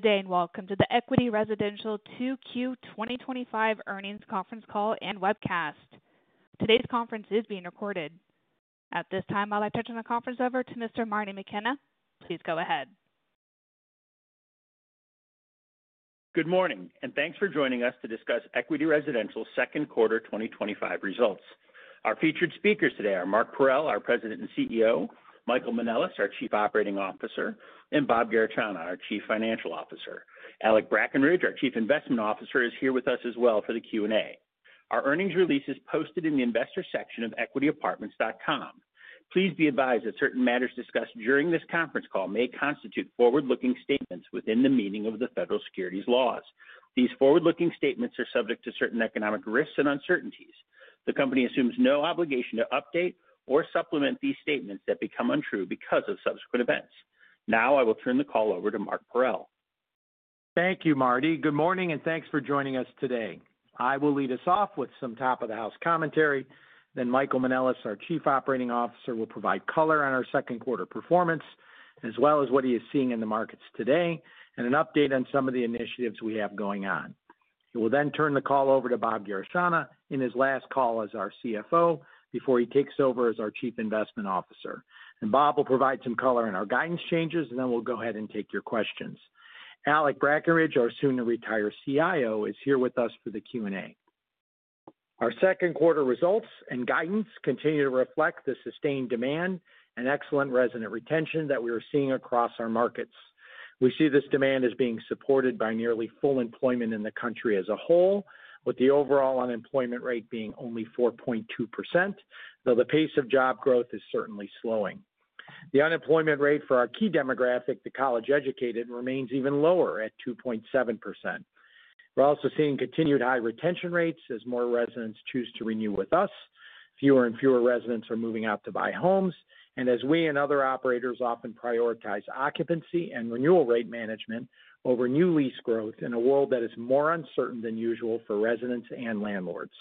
Good day and welcome to the Equity Residential 2Q 2025 earnings conference call and webcast. Today's conference is being recorded. At this time, I'd like to turn the conference over to Mr. MartIn McKenna. Please go ahead. Good morning and thanks for joining us to discuss Equity Residential second quarter 2025 results. Our featured speakers today are Mark Parrell, our President and CEO, Michael Manelis, our Chief Operating Officer, and Bob Garechana, our Chief Financial Officer. Alec Brackenridge, our Chief Investment Officer, is here with us as well for the Q&A. Our earnings release is posted in the investor section of equityapartments.com. Please be advised that certain matters discussed during this conference call may constitute forward-looking statements within the meaning of the federal securities laws. These forward-looking statements are subject to certain economic risks and uncertainties. The company assumes no obligation to update or supplement these statements that become untrue because of subsequent events. Now I will turn the call over to Mark Parrell. Thank you, Marty. Good morning and thanks for joining us today. I will lead us off with some top of the house commentary. Then Michael Manelis, our Chief Operating Officer, will provide color on our second quarter performance as well as what he is seeing in the markets today and an update on some of the initiatives we have going on. We will then turn the call over to Bob Garechana in his last call as our CFO before he takes over as our Chief Investment Officer, and Bob will provide some color on our guidance changes. Then we'll go ahead and take your questions. Alec Brackenridge, our soon to retire CIO, is here with us for the Q&A. Our second quarter results and guidance continue to reflect the sustained demand and excellent resident retention that we are seeing across our markets. We see this demand as being supported by nearly full employment in the country as a whole, with the overall unemployment rate being only 4.2%, though the pace of job growth is certainly slowing. The unemployment rate for our key demographic, the college educated, remains even lower at 2.7%. We're also seeing continued high retention rates as more residents choose to renew with us. Fewer and fewer residents are moving out to buy homes as we and other operators often prioritize occupancy and renewal rate management over new lease growth in a world that is more uncertain than usual for residents and landlords.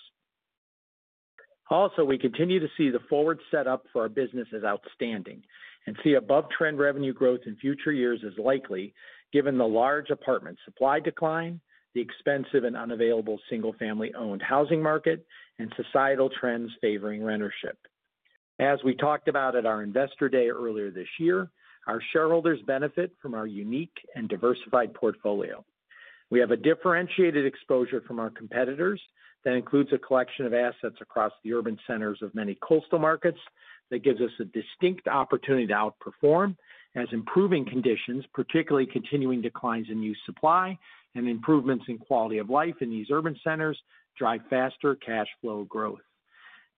Also, we continue to see the forward setup for our business as outstanding and see above trend revenue growth in future years as likely given the large apartment supply decline, the expensive and unavailable single family owned housing market, and societal trends favoring rentership. As we talked about at our Investor Day, earlier this year, our shareholders benefit from our unique and diversified portfolio. We have a differentiated exposure from our competitors that includes a collection of assets across the urban centers of many coastal markets that gives us a distinct opportunity to outperform as improving conditions, particularly continuing declines in new supply and improvements in quality of life in these urban centers, drive faster cash flow growth.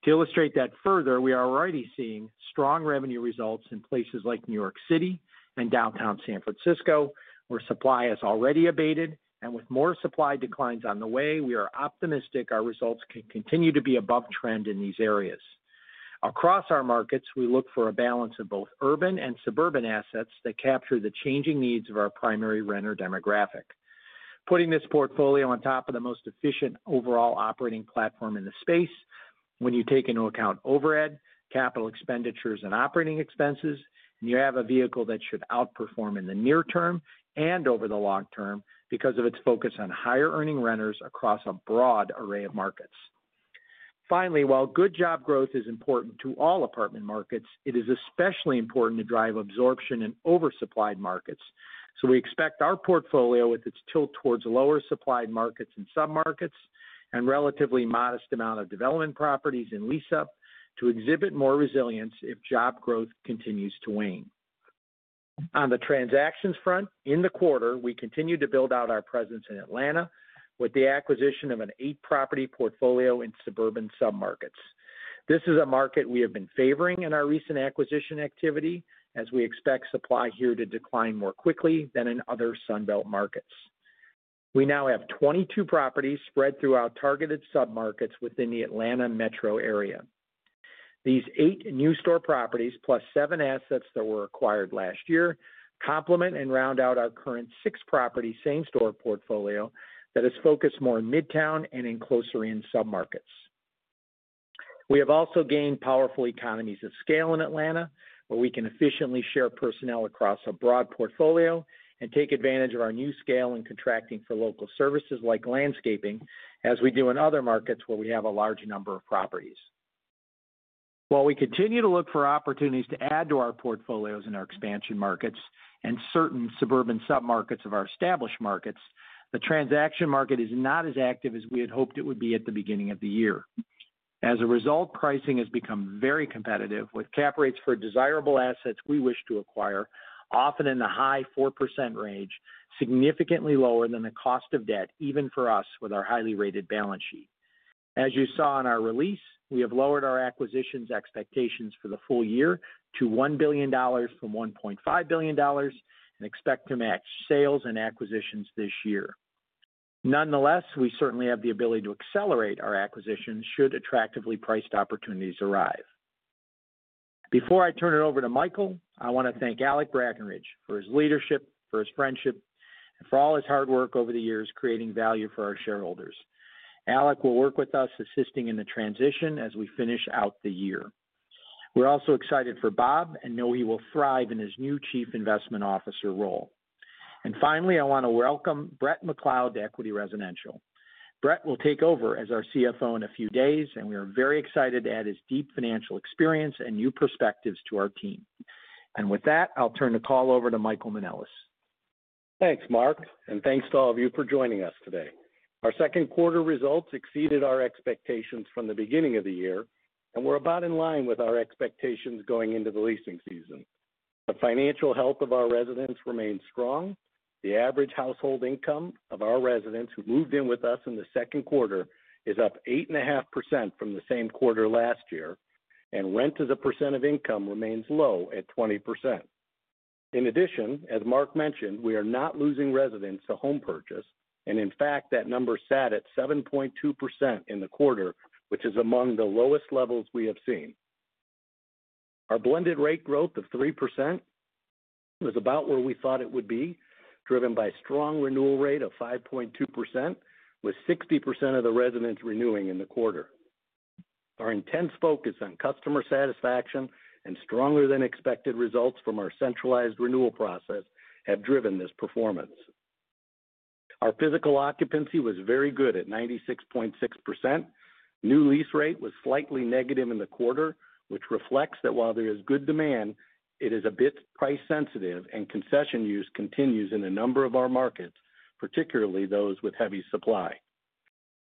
To illustrate that further, we are already seeing strong revenue results in places like New York City and downtown San Francisco where supply has already abated. With more supply declines on the way, we are optimistic our results can continue to be above trend in these areas. Across our markets, we look for a balance of both urban and suburban assets that capture the changing needs of our primary renter demographic, putting this portfolio on top of the most efficient overall operating platform in the space. When you take into account overhead, capital expenditures, and operating expenses, you have a vehicle that should outperform in the near term and over the long term because of its focus on higher earning renters across a broad array of markets. Finally, while good job growth is important to all apartment markets, it is especially important to drive absorption in oversupplied markets. We expect our portfolio, with its tilt towards lower supplied markets and submarkets and relatively modest amount of development properties in lease up, to exhibit more resilience if job growth continues to wane. On the transactions front in the quarter, we continued to build out our presence in Atlanta with the acquisition of an eight property portfolio in suburban submarkets. This is a market we have been favoring in our recent acquisition activity as we expect supply here to decline more quickly than in other Sun Belt markets. We now have 22 properties spread throughout targeted submarkets within the Atlanta metro area. These eight new store properties plus seven assets that were acquired last year complement and round out our current six property same store portfolio that is focused more in Midtown and in closer in submarkets. We have also gained powerful economies of scale in Atlanta where we can efficiently share personnel across a broad portfolio and take advantage of our new scale in contracting for local services like landscaping, as we do in other markets where we have a large number of properties. We continue to look for opportunities to add to our portfolios in our expansion markets and certain suburban submarkets of our established markets. The transaction market is not as active as we had hoped it would be at the beginning of the year. As a result, pricing has become very competitive with cap rates for desirable assets we wish to acquire, often in the high 4% range, significantly lower than the cost of debt, even for us, with our highly rated balance sheet. As you saw in our release, we have lowered our acquisitions expectations for the full year to $1 billion from $1.5 billion and expect to match sales and acquisitions this year. Nonetheless, we certainly have the ability to accelerate our acquisitions should attractively priced opportunities arrive. Before I turn it over to Michael, I want to thank Alec Brackenridge for his leadership, for his friendship, for all his hard work over the years creating value for our shareholders. Alec will work with us assisting in the transition as we finish out the year. We're also excited for Bob and know he will thrive in his new Chief Investment Officer role. Finally, I want to welcome Brett McLeod to Equity Residential. Brett will take over as our Chief Financial Officer in a few days and we are very excited to add his deep financial experience and new perspectives to our team. With that, I'll turn the call over to Michael Manelis. Thanks, Mark, and thanks to all of you for joining us today. Our second quarter results exceeded our expectations from the beginning of the year and were about in line with our expectations going into the leasing season. The financial health of our residents remains strong. The average household income of our residents who moved in with us in the second quarter is up 8.5% from the same quarter last year and rent as a percent of income remains low at 20%. In addition, as Mark mentioned, we are not losing residents to home purchase and in fact that number sat at 7.2% in the quarter, which is among the lowest levels we have seen. Our blended rent growth of 3% was about where we thought it would be, driven by strong renewal rate of 5.2% with 60% of the residents renewing in the quarter. Our intense focus on customer satisfaction and stronger than expected results from our centralized renewal process have driven this performance. Our physical occupancy was very good at 96.6%. New lease rate was slightly negative in the quarter, which reflects that while there is good demand, it is a bit price sensitive and concession use continues in a number of our markets, particularly those with heavy supply.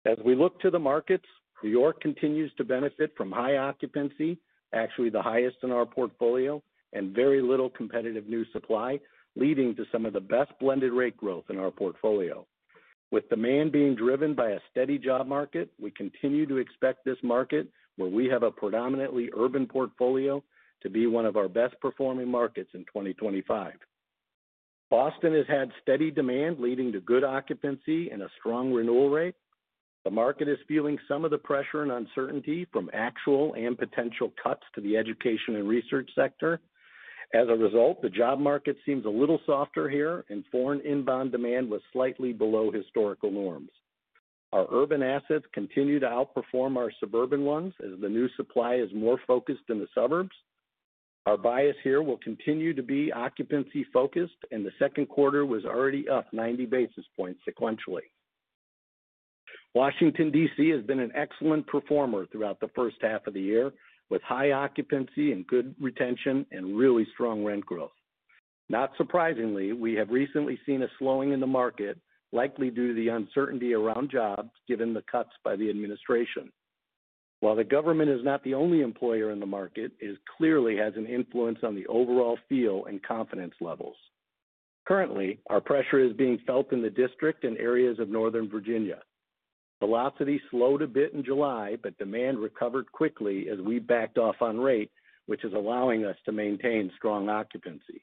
As we look to the markets, New York City continues to benefit from high occupancy, actually the highest in our portfolio, and very little competitive new supply, leading to some of the best blended rent growth in our portfolio. With demand being driven by a steady job market, we continue to expect this market, where we have a predominantly urban portfolio, to be one of our best performing markets in 2025. Boston has had steady demand leading to good occupancy and a strong renewal rate. The market is feeling some of the pressure and uncertainty from actual and potential cuts to the education and research sector. As a result, the job market seems a little softer here and foreign inbound demand was slightly below historical norms. Our urban assets continue to outperform our suburban ones as the new supply is more focused in the suburbs. Our bias here will continue to be occupancy focused and the second quarter was already up 90 basis points sequentially. Washington D.C. has been an excellent performer throughout the first half of the year with high occupancy and good retention and really strong rent growth. Not surprisingly, we have recently seen a slowing in the market likely due to the uncertainty around jobs given the cuts by the administration. While the government is not the only employer in the market, it clearly has an influence on the overall feel and confidence levels. Currently, our pressure is being felt in the District and areas of Northern Virginia. Velocity slowed a bit in July, but demand recovered quickly as we backed off on rate, which is allowing us to maintain strong occupancy.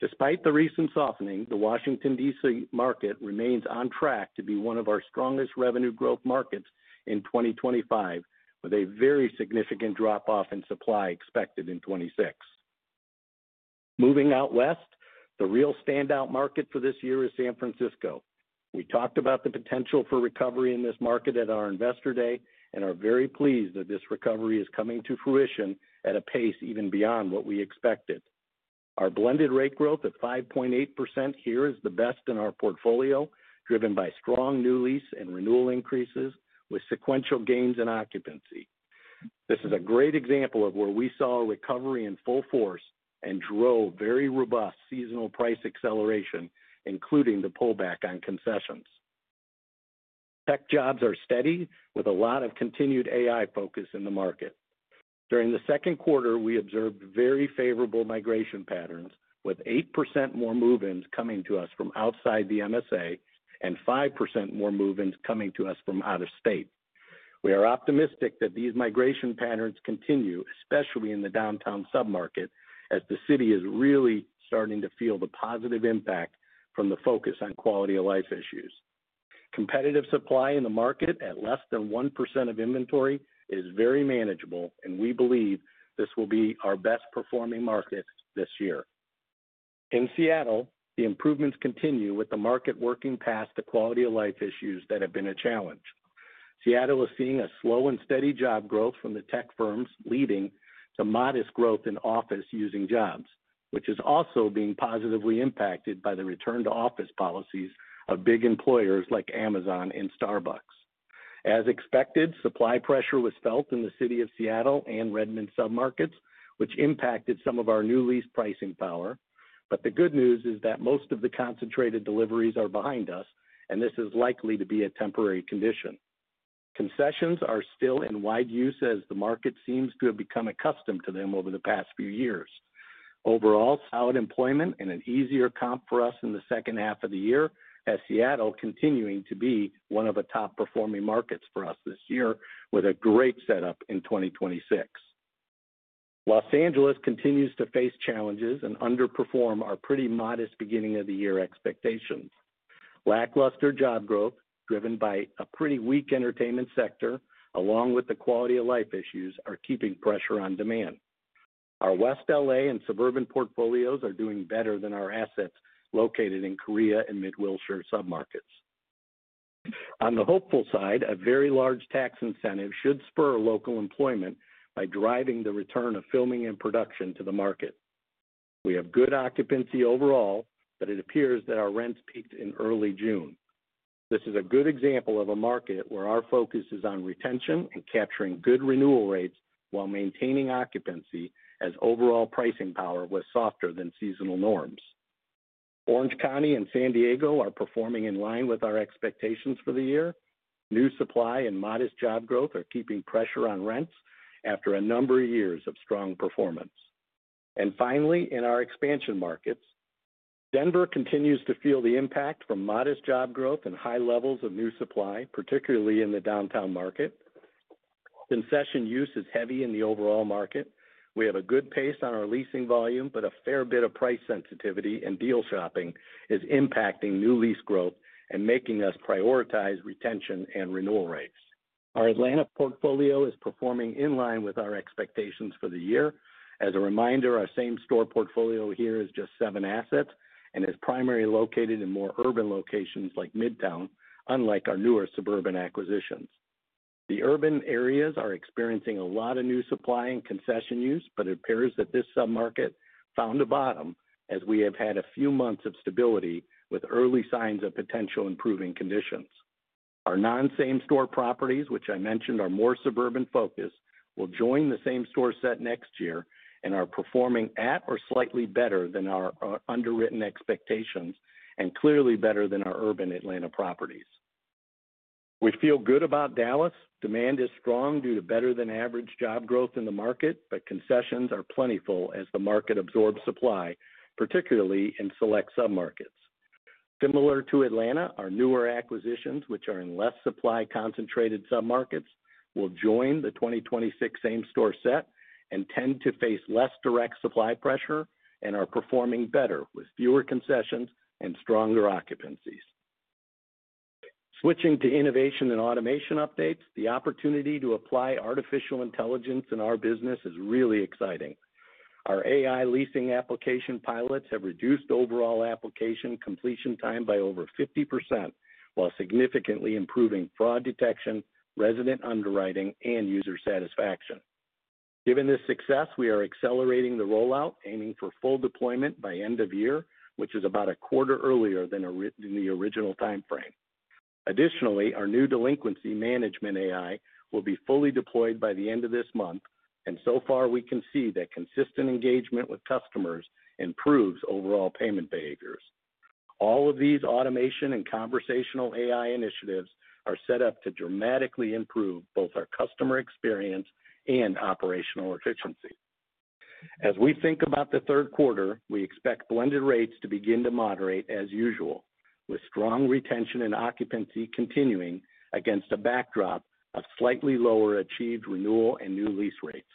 Despite the recent softening, the Washington D.C. market remains on track to be one of our strongest revenue growth markets in 2025 with a very significant drop off in supply expected in 2026. Moving out west, the real standout market for this year is San Francisco. We talked about the potential for recovery in this market at our investor day and are very pleased that this recovery is coming to fruition at a pace even beyond what we expected. Our blended rate growth at 5.8% here is the best in our portfolio, driven by strong new lease and renewal increases with sequential gains in occupancy. This is a great example of where we saw a recovery in full force and drove very robust seasonal price acceleration, including the pullback on concessions. Tech jobs are steady with a lot of continued AI focus in the market. During the second quarter, we observed very favorable migration patterns with 8% more move-ins coming to us from outside the MSA and 5% more move-ins coming to us from out of state. We are optimistic that these migration patterns continue, especially in the downtown submarket as the city is really starting to feel the positive impact from the focus on quality of life issues. Competitive supply in the market at less than 1% of inventory is very manageable, and we believe this will be our best performing market this year. In Seattle, the improvements continue with the market working past the quality of life issues that have been a challenge. Seattle is seeing a slow and steady job growth from the tech firms, leading to modest growth in office-using jobs, which is also being positively impacted by the return to office policies of big employers like Amazon and Starbucks. As expected, supply pressure was felt in the City of Seattle and Redmond submarkets, which impacted some of our new lease pricing power. The good news is that most of the concentrated deliveries are behind us, and this is likely to be a temporary condition. Concessions are still in wide use as the market seems to have become accustomed to them over the past few years. Overall, solid employment and an easier comp for us in the second half of the year as Seattle continues to be one of the top performing markets for us this year with a great setup in 2026. Los Angeles continues to face challenges and underperform our pretty modest beginning of the year expectations. Lackluster job growth driven by a pretty weak entertainment sector, along with the quality of life issues, are keeping pressure on demand. Our West LA and suburban portfolios are doing better than our assets located in Korea and Mid Wilshire submarkets. On the hopeful side, a very large tax incentive should spur local employment by driving the return of filming and production to the market. We have good occupancy overall, but it appears that our rents peaked in early June. This is a good example of a market where our focus is on retention and capturing good renewal rates while maintaining occupancy, as overall pricing power was softer than seasonal norms. Orange County and San Diego are performing in line with our expectations for the year. New supply and modest job growth are keeping pressure on rents after a number of years of strong performance. Finally, in our expansion markets, Denver continues to feel the impact from modest job growth and high levels of new supply, particularly in the downtown market. Concession use is heavy in the overall market. We have a good pace on our leasing volume, but a fair bit of price sensitivity and deal shopping is impacting new lease growth and making us prioritize retention and renewal rates. Our Atlanta portfolio is performing in line with our expectations for the year. As a reminder, our same store portfolio here is just seven assets and is primarily located in more urban locations like Midtown. Unlike our newer suburban acquisitions, the urban areas are experiencing a lot of new supply and concession use, but it appears that this submarket found a bottom as we have had a few months of stability with early signs of potential improving conditions. Our non same store properties, which I mentioned are more suburban focused, will join the same store set next year and are performing at or slightly better than our underwritten expectations and clearly better than our urban Atlanta properties. We feel good about Dallas. Demand is strong due to better than average job growth in the market, but concessions are plentiful as the market absorbs supply, particularly in select submarkets similar to Atlanta. Our newer acquisitions, which are in less supply concentrated submarkets, will join the 2026 same store set and tend to face less direct supply pressure and are performing better with fewer concessions and stronger occupancies. Switching to Innovation and Automation Updates, the opportunity to apply artificial intelligence in our business is really exciting. Our AI leasing application pilots have reduced overall application completion time by over 50% while significantly improving fraud detection, resident underwriting, and user satisfaction. Given this success, we are accelerating the rollout, aiming for full deployment by end of year, which is about a quarter earlier than the original timeframe. Additionally, our new delinquency management AI will be fully deployed by the end of this month, and so far we can see that consistent engagement with customers improves overall payment behaviors. All of these automation and conversational AI initiatives are set up to dramatically improve both our customer experience and operational efficiency. As we think about the third quarter, we expect blended rates to begin to moderate as usual, with strong retention and occupancy continuing against a backdrop of slightly lower achieved renewal and new lease rates,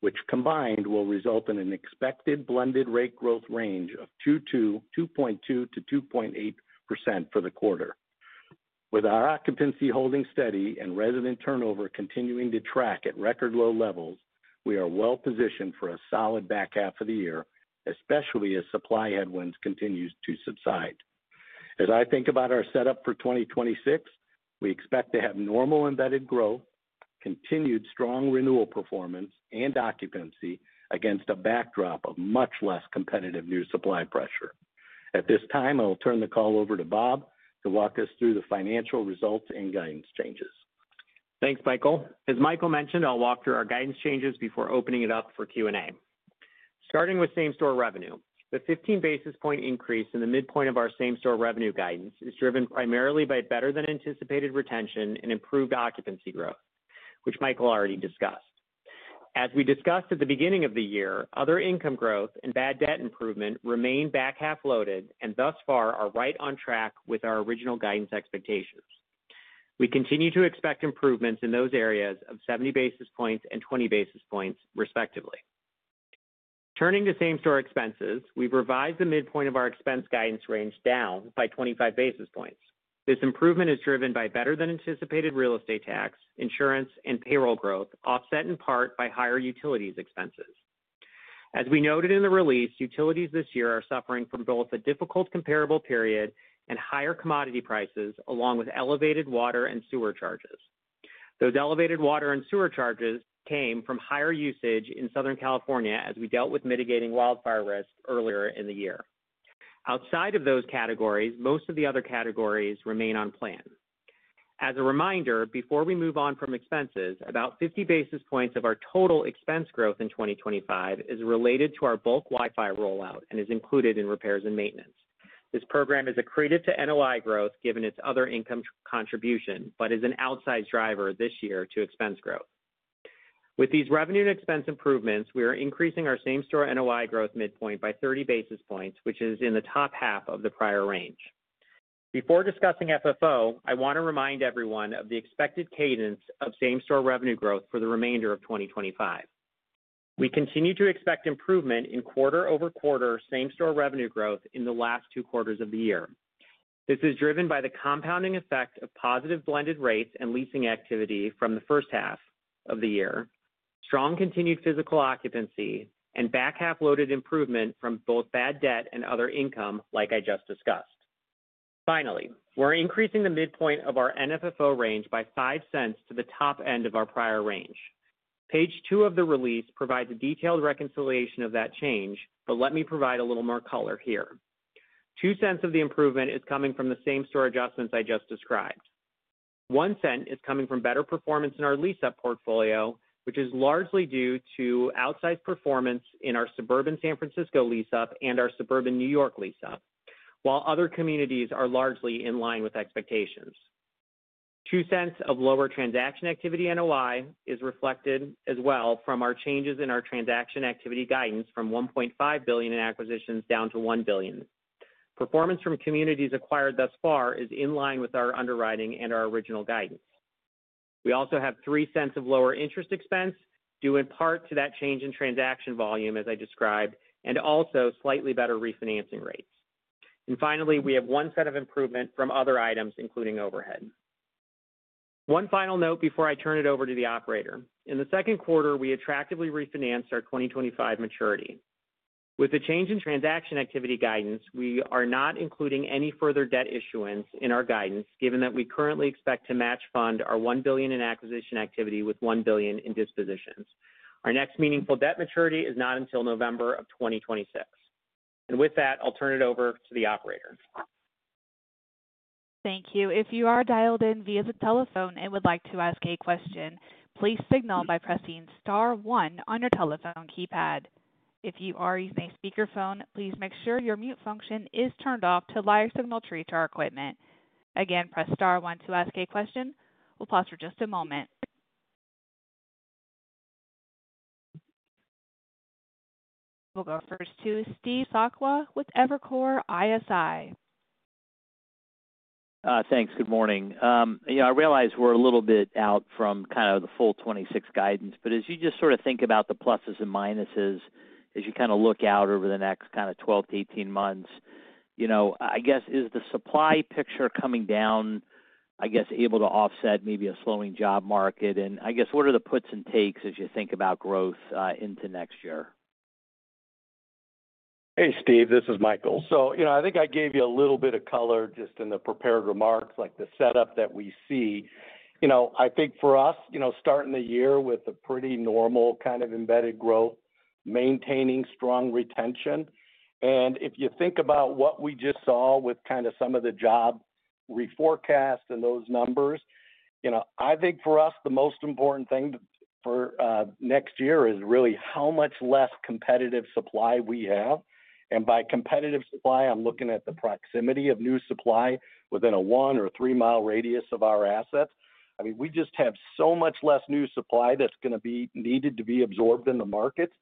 which combined will result in an expected blended rate growth range of 2.2%-2.8% for the quarter. With our occupancy holding steady and resident turnover continuing to track at record low levels, we are well positioned for a solid back half of the year, especially as supply headwinds continue to subside. As I think about our setup for 2026, we expect to have normal embedded growth, continued strong renewal performance, and occupancy against a backdrop of much less competitive new supply pressure. At this time, I will turn the call over to Bob to walk us through the financial results and guidance changes. Thanks Michael. As Michael mentioned, I'll walk through our guidance changes before opening it up for Q&A, starting with same store revenue. The 15 basis point increase in the midpoint of our same store revenue guidance is driven primarily by better than anticipated retention and improved occupancy growth, which Michael already discussed. As we discussed at the beginning of the year, other income growth and bad debt improvement remain back half loaded and thus far are right on track with our original guidance expectations. We continue to expect improvements in those areas of 70 basis points and 20 basis points, respectively. Turning to same store expenses, we've revised the midpoint of our expense guidance range down by 25 basis points. This improvement is driven by better than anticipated real estate tax, insurance, and payroll growth, offset in part by higher utilities expenses. As we noted in the release, utilities this year are suffering from both a difficult comparable period and higher commodity prices, along with elevated water and sewer charges. Those elevated water and sewer charges came from higher usage in Southern California as we dealt with mitigating wildfire risk earlier in the year. Outside of those categories, most of the other categories remain on plan. As a reminder before we move on from expenses, about 50 basis points of our total expense growth in 2025 is related to our bulk Wi-Fi rollout and is included in repairs and maintenance. This program is accretive to NOI growth given its other income contribution but is an outsized driver this year to expense growth. With these revenue and expense improvements, we are increasing our same store NOI growth midpoint by 30 basis points, which is in the top half of the prior range. Before discussing FFO, I want to remind everyone of the expected cadence of same store revenue growth for the remainder of 2025. We continue to expect improvement in quarter over quarter same store revenue growth in the last two quarters of the year. This is driven by the compounding effect of positive blended rates and leasing activity from the first half of the year, strong continued physical occupancy, and back half loaded improvement from both bad debt and other income like I just discussed. Finally, we're increasing the midpoint of our NFFO range by $0.05 to the top end of our prior range. Page 2 of the release provides a.Detailed reconciliation of that change, but let me provide a little more color here. $0.02 of the improvement is coming from the same store adjustments I just described. $0.01 is coming from better performance in our lease-up portfolio, which is largely due to outsize performance in our suburban San Francisco lease-up and our suburban New York City lease-up, while other communities are largely in line with expectations. $0.02 of lower transaction activity NOI is reflected as well from our changes in our transaction activity guidance from $1.5 billion in acquisitions down to $1 billion. Performance from communities acquired thus far is in line with our underwriting and our original guidance. We also have $0.03 of lower interest expense due in part to that change in transaction volume as I described, and also slightly better refinancing rates. Finally, we have $0.01 of improvement from other items including overhead. One final note before I turn it over to the operator: in the second quarter, we attractively refinanced our 2025 maturity. With the change in transaction activity guidance, we are not including any further debt issuance in our guidance given that we currently expect to match fund our $1 billion in acquisition activity with $1 billion in dispositions. Our next meaningful debt maturity is not until November of 2026. With that, I'll turn it over to the operator. Thank you. If you are dialed in via the telephone and would like to ask a question, please signal by pressing star, one on your telephone keypad. If you are using a speakerphone, please make sure your mute function is turned off to allow signal. To repeat, press star, one to ask a question. We'll pause for just a moment. We'll go first to Steve Sakwa with Evercore ISI. Thanks. Good morning. I realize we're a little bit out from the full 2026 guidance, but as you just sort of think about the pluses and minuses as you look out over the next 12-18 months, is the supply picture coming down able to offset maybe a slowing job market and what re the puts and takes as you think about growth into next year? Hey Steve, this is Michael. I think I gave you a little bit of color just in the prepared remarks, like the setup that we see. I think for us, starting the year with a pretty normal kind of embedded growth, maintaining strong retention. If you think about what we just saw with some of the job reforecast and those numbers, I think for us the most important thing for next year is really how much less competitive supply we have. By competitive supply, I'm looking at the proximity of new supply within a one or three mile radius of our assets. We just have so much less new supply that's going to be needed to be absorbed in the markets.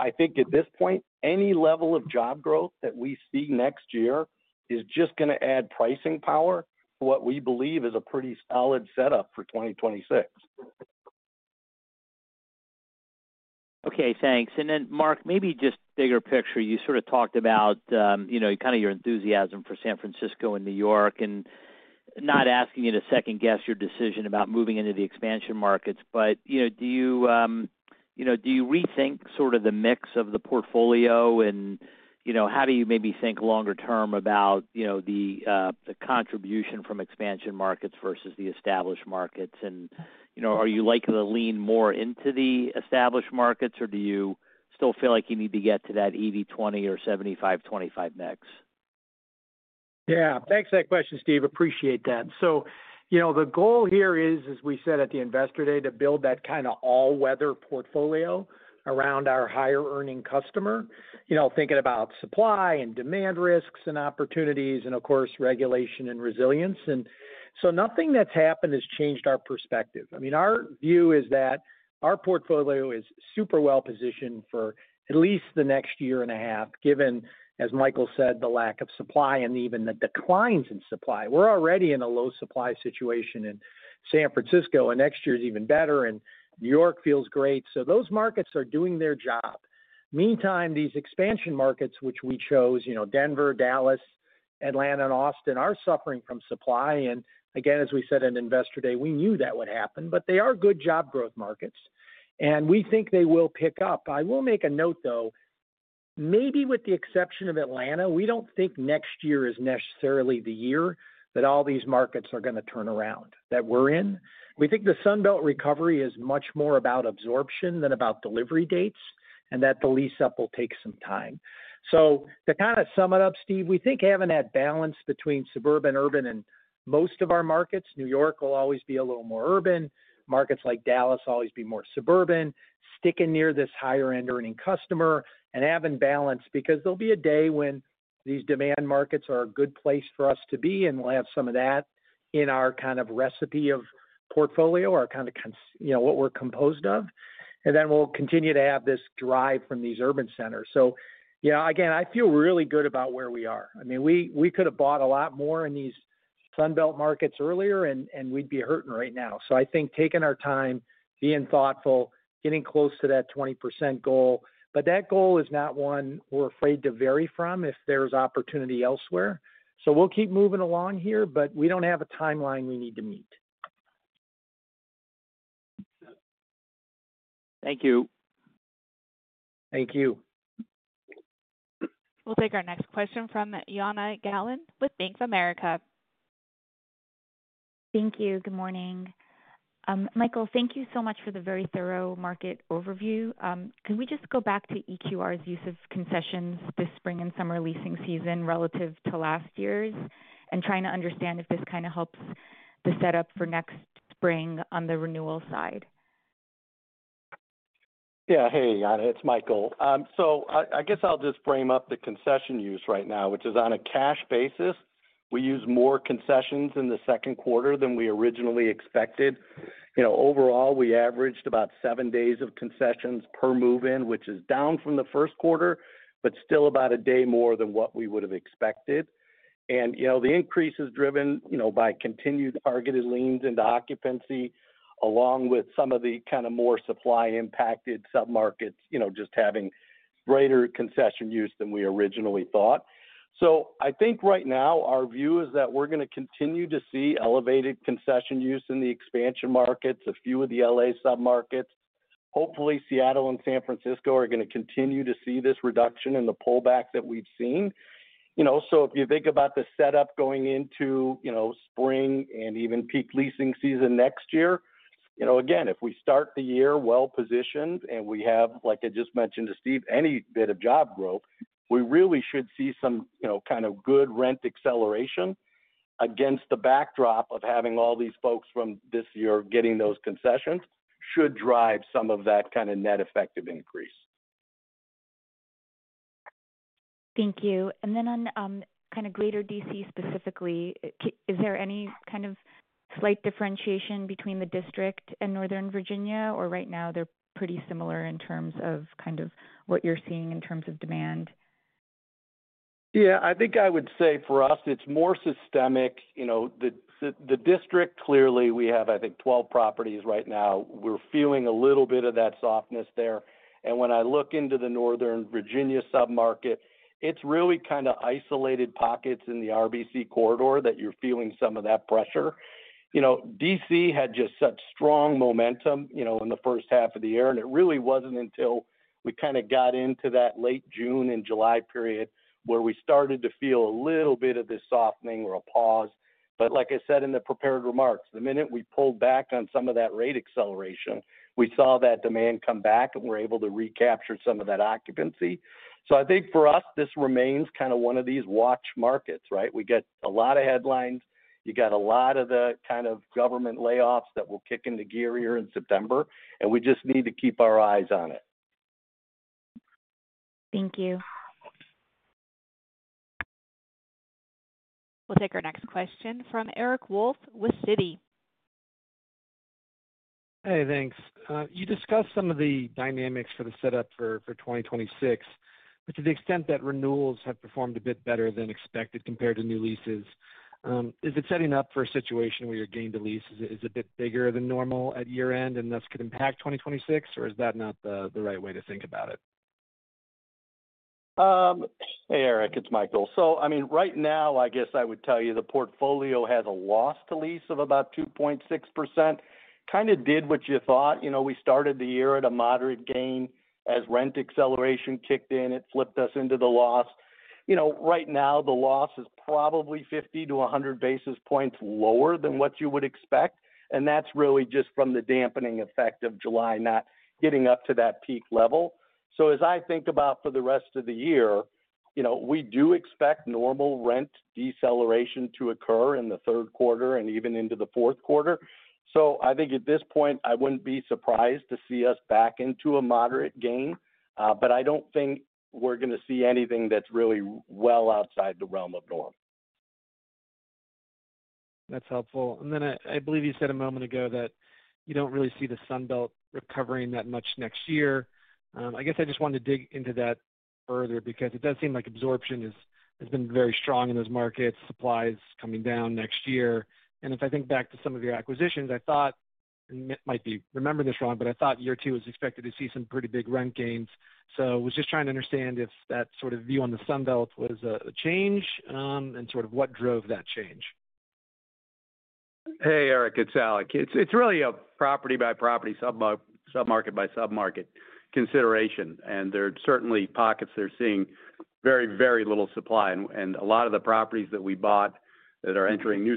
I think at this point, any level of job growth that we see next year is just going to add pricing power, what we believe is a pretty solid setup for 2026. Okay, thanks. Mark, maybe just bigger picture. You talked about your enthusiasm for San Francisco and New York. I'm not asking you to second guess your decision about moving into the expansion markets, but do you— Do you rethink sort of the mix of the portfolio? How do you maybe think longer term about the contribution from expansion markets versus the established markets, and are you likely to lean more into the established markets, or do you still feel like you need to get to that 80%-20% or 75%-25% next? Yeah, thanks for that question, Steve. Appreciate that. The goal here is, as we said at the Investor Day, to build that kind of all-weather portfolio around our higher earning customer. Thinking about supply and demand, risks and opportunities, and of course regulation and resilience. Nothing that's happened has changed our perspective. Our view is that our portfolio is super well positioned for at least the next year and a half, given, as Michael said, the lack of supply and even the declines in supply. We're already in a low supply situation in San Francisco and next year is even better, and New York feels great. Those markets are doing their job. Meantime, these expansion markets which we chose, Denver, Dallas, Atlanta, and Austin, are suffering from supply. As we said in Investor Day, we knew that would happen. They are good job growth markets and we think they will pick up. I will make a note though, maybe with the exception of Atlanta, we don't think next year is necessarily the year that all these markets are going to turn around that we're in. We think the Sun Belt recovery is much more about absorption than about delivery dates and that the lease up will take some time. To kind of sum it up, Steve, we think having that balance between suburban, urban, and most of our markets, New York will always be a little more urban, markets like Dallas always be more suburban, sticking near this higher end earning customer and have in balance because there'll be a day when these demand markets are a good place for us to be and we'll have some of that in our kind of recipe of portfolio or kind of, you know, what we're composed of and then we'll continue to have this drive from these urban centers. Again, I feel really good about where we are. We could have bought a lot more in these Sun Belt markets earlier and we'd be hurting right now. I think taking our time, being thoughtful, getting close to that 20% goal. That goal is not one we're afraid to vary from if there's opportunity elsewhere. We'll keep moving along here, but we don't have a timeline we need to meet. Thank you. Thank you. We'll take our next question from Jana Galan with Bank of America. Thank you. Good morning, Michael, thank you so much for the very thorough market overview. Can we just go back to Equity Residential's use of concessions this spring and summer leasing season relative to last year's and trying to understand if this kind of helps the setup for next spring on the renewal side? Yeah. Hey, it's Michael. I guess I'll just frame up the concession use right now, which is on a cash basis. We use more concessions in the second quarter than we originally expected. You know, overall we averaged about seven days of concessions per move-in, which is down from the first quarter, but still about a day more than what we would have expected. The increase is driven by continued targeted liens into occupancy, along with some of the kind of more supply-impacted submarkets just having greater concession use than we originally thought. I think right now our view is that we're going to continue to see elevated concession use in the expansion markets. A few of the Los Angeles submarkets, hopefully Seattle and San Francisco, are going to continue to see this reduction in the pullback that we've seen. If you think about the setup going into spring and even peak leasing season next year, if we start the year well positioned and we have, like I just mentioned to Steve, any bit of job growth, we really should see some kind of good rent acceleration against the backdrop of having all these folks from this year getting those concessions should drive some of that kind of net effective increase. Thank you. On greater Washington D.C. specifically, is there any slight differentiation between the District and Northern Virginia, or right now are they pretty similar in terms of what you're seeing in terms of demand? Yeah, I think I would say for us it's more systemic. The District, clearly we have, I think, 12 properties right now. We're feeling a little bit of that softness there. When I look into the Northern Virginia submarket, it's really kind of isolated pockets in the RBC corridor that you're feeling some of that pressure. D.C. had just such strong momentum in the first half of the year. It really wasn't until we got into that late June and July period where we started to feel a little bit of this softening or a pause. Like I said in the prepared remarks, the minute we pulled back on some of that rate acceleration, we saw that demand come back and we're able to recapture some of that occupancy. I think for us, this remains kind of one of these watch markets, right? We get a lot of headlines. You got a lot of the kind of government layoffs that will kick into gear here in September, and we just need to keep our eyes on it. Thank you. We'll take our next question from Eric Wolfe with Citi. Hey, thanks. You discussed some of the dynamics for the setup for 2026, to the extent that renewals have performed a bit better than expected compared to new leases, is it setting up for a situatio where your gain to lease is a bit bigger than normal at year end and thus could impact 2026 or is that not the right way to think about it? Hey Eric, it's Michael. Right now, I guess I would tell you the portfolio has a loss to lease of about 2.6%. Kind of did what you thought. We started the year at a moderate gain. As rent acceleration kicked in, it flipped us into the loss. Right now the loss is probably 50-100 basis points lower than what you would expect, and that's really just from the dampening effect of July not getting up to that peak level. As I think about the rest of the year, we do expect normal rent deceleration to occur in the third quarter and even into the fourth quarter. At this point I wouldn't be surprised to see us back into a moderate gain. I don't think we're going to see anything that's really well outside the realm of norm. That's helpful. I believe you said a. ago you said that you don't really see the Sun Belt recovering that much next year. I guess I just wanted to dig into that further because it does seem absorption has been very strong in those markets supply's coming down next year. If I think back to some of your acquisitions, I thought might be.I thought year two is expected to see some pretty big rent gains. I was just trying to understand if that sort of view on the Sun Belt was a change and what drove that change. Hey Eric, it's Alec. It's really a property by property, submarket by submarket consideration. There are certainly pockets. They're seeing very, very little supply. A lot of the properties that we bought that are entering same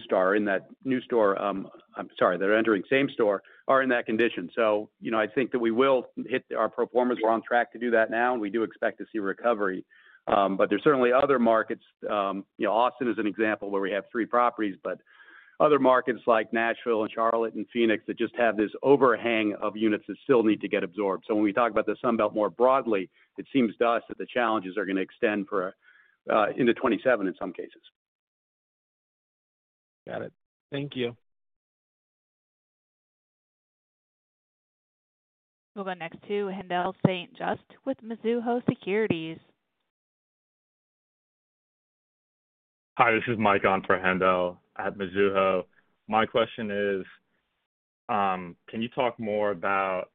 store are in that condition. I think that we will hit our pro formas. We're on track to do that now and we do expect to see recovery. There are certainly other markets, you know, Austin is an example where we have three properties, but other markets like Nashville and Charlotte and Phoenix that just have this overhang of units that still need to get absorbed. When we talk about the Sun Belt more broadly, it seems to us that the challenges are going to extend for in the 2027 in some cases. Got it. Thank you. Moving next to Haendel St. Juste with Mizuho Securities. Hi, this is Mike on for Haendel at Mizuho. My question is, can you talk more about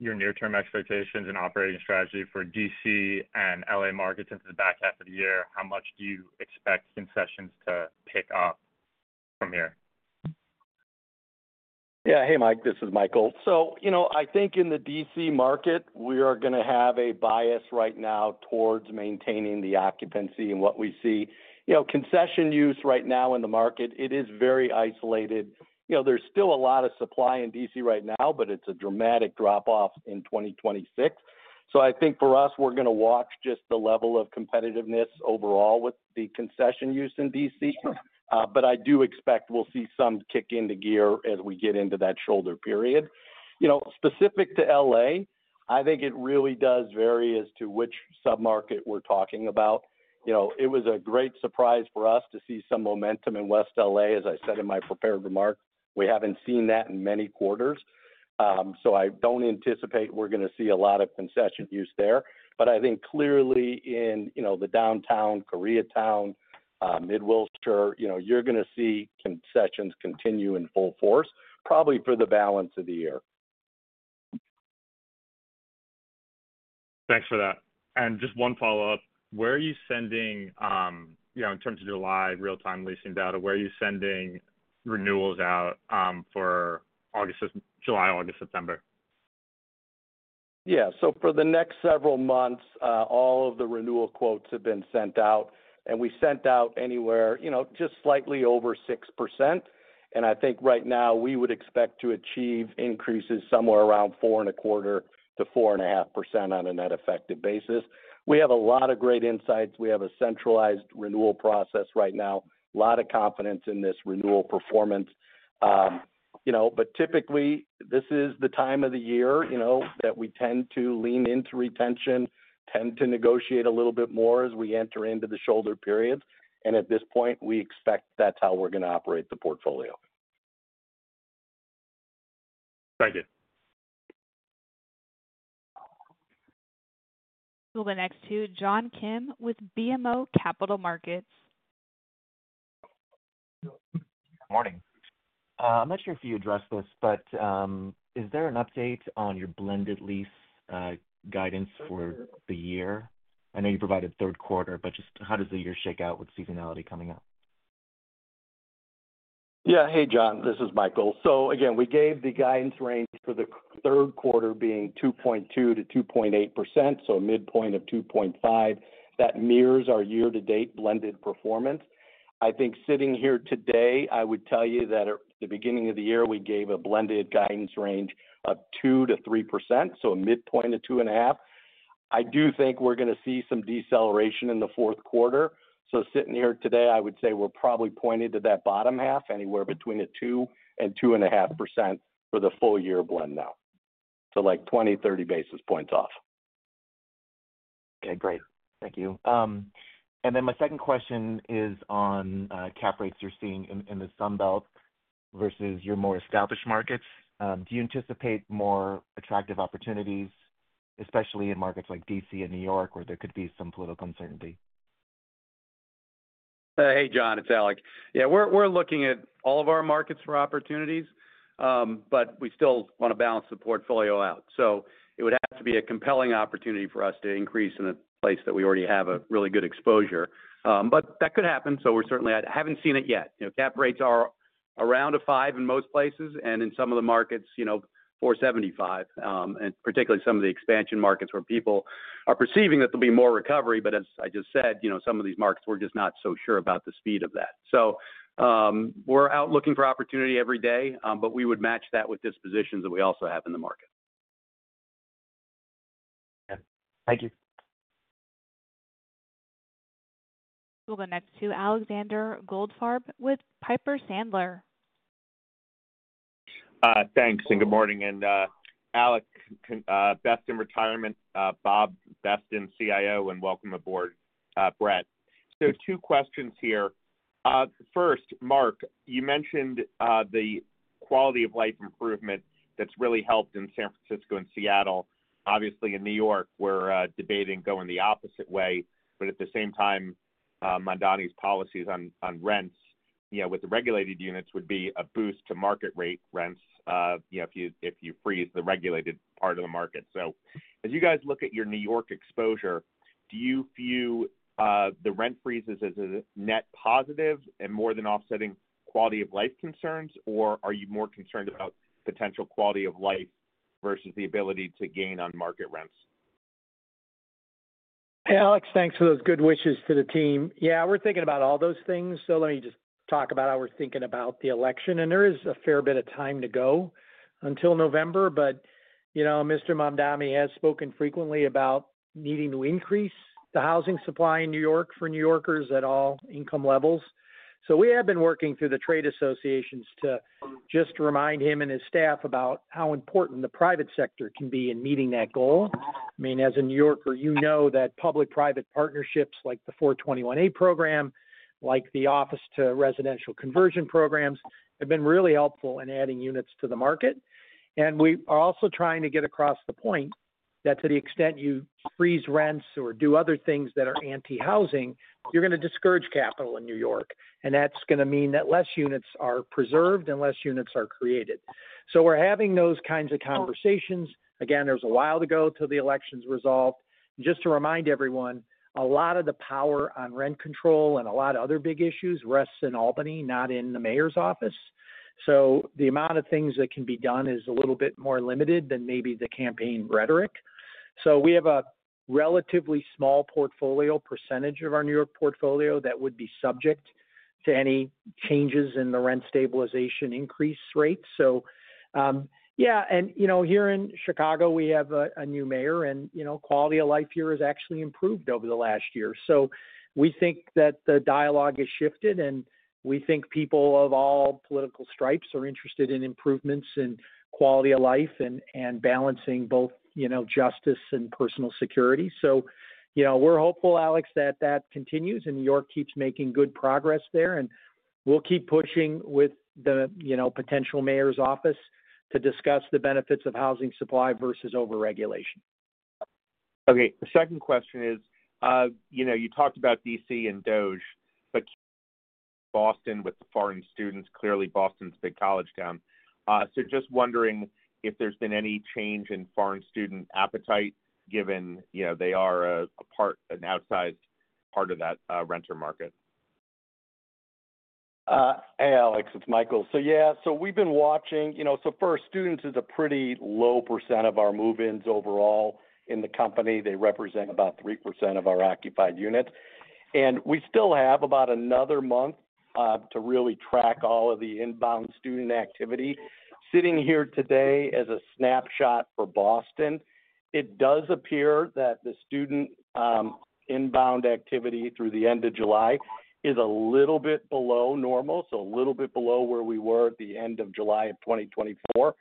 your near term expectations and operating strategy for Washington D.C. and Los Angeles markets into the back half of the year? How much do you expect concessions to pick up from here? Yeah. Hey Mike, this is Michael. I think in the Washington D.C. market we are going to have a bias right now towards maintaining the occupancy and what we see, concession use right now in the market, it is very isolated. There's still a lot of supply in Washington D.C. right now, but it's a dramatic drop off in 2026. I think for us we're going to watch just the level of competitiveness overall with the concession use in D.C. I do expect we'll see some kick into gear as we get into that shoulder period. Specific to L.A,, I think it really does vary as to which submarket we're talking about. It was a great surprise for us to see some momentum in West L.A. As I said in my prepared remark, we haven't seen that in many quarters. I don't anticipate we're going to see a lot of concession use there. I think clearly in the Downtown, Koreatown, Mid-Wilshire, you're going to see concessions continue in full force probably for the balance of the year. Thanks for that. Just one follow up, Where are you, you know, in terms of July real time leasing data, where are you sending renewals out for August? July, August, September, yeah. For the next several months, all of the renewal quotes have been sent out, and we sent out anywhere just slightly over 6%. I think right now we would expect to achieve increases somewhere around 4.25%-4.5% on a net effective basis. We have a lot of great insights. We have a centralized renewal process right now, a lot of confidence in this renewal performance. Typically, this is the time of the year that we tend to lean into retention and tend to negotiate a little bit more as we enter into the shoulder period. At this point, we expect that's how we're going to operate the portfolio. Thank you. We'll go next to John Kim with BMO Capital Markets. Morning. I'm not sure if you addressed this, but is there an update on your blended lease guidance for the year? I know you provided third quarter, but just how does the year shake out with seasonality coming up? Yeah. Hey John, this is Michael. Again, we gave the guidance range for the third quarter being 2.2%-2.8%, so a midpoint of 2.5%. That mirrors our year-to-date blended performance. I think sitting here today, I would tell you that at the beginning of the year, we gave a blended guidance range of 2%-3%, so a midpoint of 2.5%. I do think we're going to see some deceleration in the fourth quarter. Sitting here today, I would say we're probably pointed to that bottom half, anywhere between a 2%-2.5% for the full year blend now. Like 20, 30 basis points off. Okay, great. Thank you. My second question is on cap rates you're seeing in the Sun Belt versus your more established markets. Do you anticipate more attractive opportunities, especially in markets like Washington D.C. and New York where there could be some political uncertainty? Hey, John, it's Alec. Yeah, we're looking at all of our markets for opportunities, but we still want to balance the portfolio out. It would have to be a compelling opportunity for us to increase in a place that we already have a really good exposure. That could happen. I haven't seen it yet. You know, cap rates are around a 5% in most places and in some of the markets, you know, 4.75%, and particularly some of the expansion markets where people are perceiving that there will be more recovery. As I just said, some of these markets, we're just not so sure about the speed of that. We're out looking for opportunity every day. We would match that with dispositions that we also have in the market. Thank you. We'll go next to Alexander Goldfarb with Piper Sandler. Thanks and good morning. Alec, best in retirement. Bob, best in CIO and welcome aboard, Brett. Two questions here. Mark, you mentioned the quality of life improvement that's really helped in San Francisco and Seattle. Obviously, in New York City, we're debating going the opposite way. At the same time, Adams' policies on rents with the regulated units would be a boost to market rate rents if you freeze the regulated part of the market. As you guys look at your New York exposure, do you view the rent freezes as a net positive and more than offsetting quality of life concerns, or are you more concerned about potential quality of life versus the ability to gain on market rents? Alex, thanks for those good wishes to the team. Yeah, we're thinking about all those things. Let me just talk about how we're thinking about the election and there is a fair bit of time to go until November. You know, Mr. Mamdani has spoken frequently about needing to increase the housing supply in New York for New Yorkers at all income levels. We have been working through the trade associations to just remind him and his staff about how important the private sector can be in meeting that goal. I mean, as a New Yorker, you know that public private partnerships like the 421a program and the Office to Residential Conversion programs have been really helpful in adding units to the market. We are also trying to get across the point that to the extent you freeze rents or do other things that are anti housing, you're going to discourage capital in New York. That's going to mean that fewer units are preserved and fewer units are created. We're having those kinds of conversations again. There's a while to go to the elections. Just to remind everyone, a lot of the power on rent control and a lot of other big issues rests in Albany, not in the mayor's office. The amount of things that can be done is a little bit more limited than maybe the campaign rhetoric. We have a relatively small percentage of our New York portfolio that would be subject to any changes in the rent stabilization increase rate. Yeah. You know, here in Chicago we have a new mayor and, you know, quality of life here has actually improved over the last year. We think that the dialogue has shifted and we think people of all political stripes are interested in improvements in quality of life and balancing both justice and personal security. We're hopeful, Alec, that that continues and New York keeps making good progress there and we'll keep pushing with the potential mayor's office to discuss the benefits of housing supply versus overregulation. Okay, the second question is, you know, you talked about Washington D.C. and Dallas, but Boston with the foreign students, clearly Boston's big college town. So just wondering if there's been any. Change in foreign student appetite given, you know, they are a part, an outsized part of that renter market. Hey, Alec, it's Michael. We've been watching, you know, first students is a pretty low % of our move-ins overall in the company. They represent about 3% of our occupied units. We still have about another month to really track all of the inbound student activity sitting here today. As a snapshot for Boston, it does appear that the student inbound activity through the end of July is a little bit below normal, a little bit below where we were at the end of July of 2024.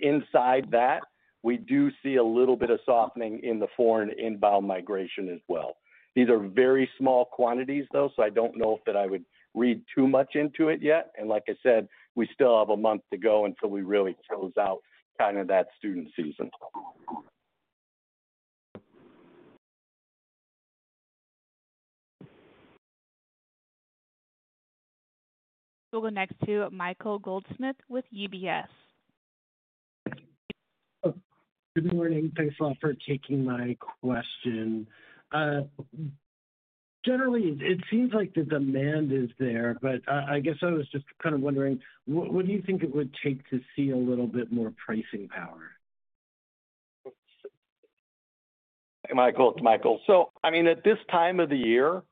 Inside that, we do see a little bit of softening in the foreign inbound migration as well. These are very small quantities, though, so I don't know if I would read too much into it yet. Like I said, we still have a month to go until we really close out kind of that student season. We'll go next to Michael Goldsmith with UBS. Good morning. Thanks a lot for taking my question. Generally it seems like the demand is there, but I guess I was just kind of wondering what do you think it would take to see a little bit more pricing power. Michael, it's Michael. At this time of the year,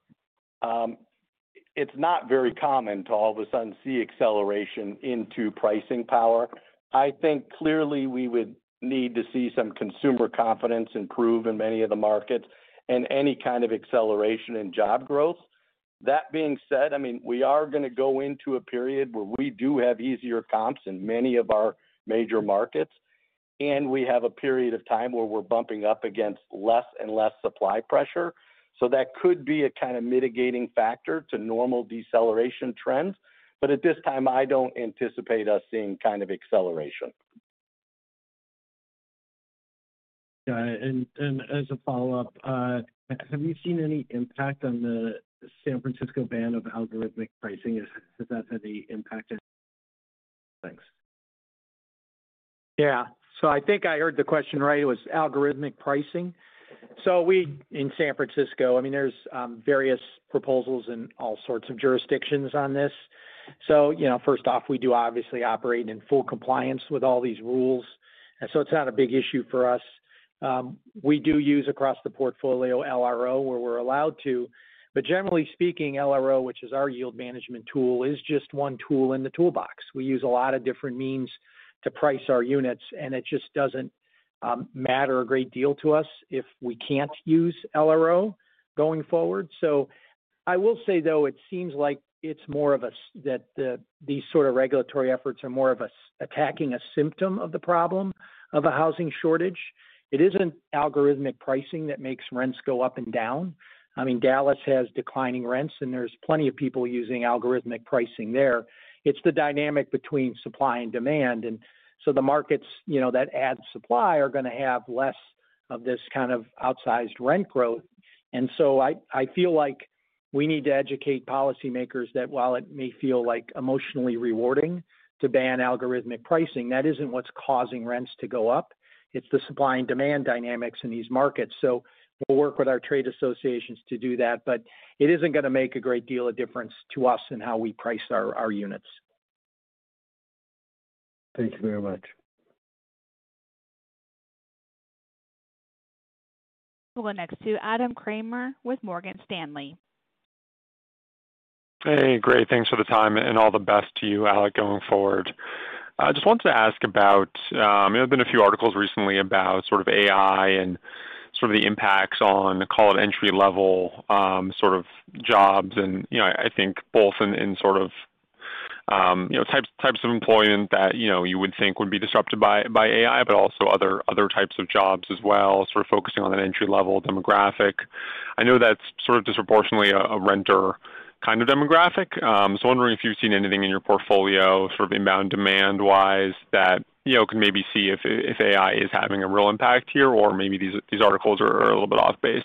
it's not very common to all of a sudden see acceleration into pricing power. I think clearly we would need to see some consumer confidence improve in many of the markets and any kind of acceleration in job growth. That being said, we are going to go into a period where we do have easier comps in many of our major markets, and we have a period of time where we're bumping up against less and less supply pressure. That could be a kind of mitigating factor to normal deceleration trends. At this time, I don't anticipate us seeing kind of acceleration. Got it. As a follow up, have you seen any impact on San Francisco ban of algorithmic pricing? Has that had any impact yet? Thanks. Yeah, so I think I heard the question right. It was algorithmic pricing. In San Francisco, there are various proposals in all sorts of jurisdictions on this. First off, we do obviously operate in full compliance with all these rules, and it's not a big issue for us. We do use across the portfolio LRO, where we're allowed to. Generally speaking, LRO, which is our yield management tool, is just one tool in the toolbox. We use a lot of different means to price our units, and it just doesn't matter a great deal to us if we can't use LRO going forward. I will say, though, it seems like these sort of regulatory efforts are more of us attacking a symptom of the problem of a housing shortage. It isn't algorithmic pricing that makes rents go up and down. Dallas has declining rents and there's plenty of people using algorithmic pricing there. It's the dynamic between supply and demand. The markets that add supply are going to have less of this kind of outsized rent growth. I feel like we need to educate policymakers that while it may feel emotionally rewarding to ban algorithmic pricing, that isn't what's causing rents to go up, it's the supply and demand dynamics in these markets. We'll work with our trade associations to do that, but it isn't going to make a great deal of difference to us and how we price our units. Thank you very much. Next to Adam Kramer with Morgan Stanley. Hey, great. Thanks for the time and all the best to you, Alec, going forward, I just wanted to ask about there have been a few articles recently about AI and the impacts on, call it, entry level jobs and, you know, I think both in types of employment that you would think would be disrupted by AI, but also other types of jobs as well, focusing on an entry level demographic. I know that's disproportionately a renter kind of demographic. Wondering if you've seen anything in your portfolio, demand wise, that can maybe see if AI is having a real impact here or maybe these articles are a little bit off base?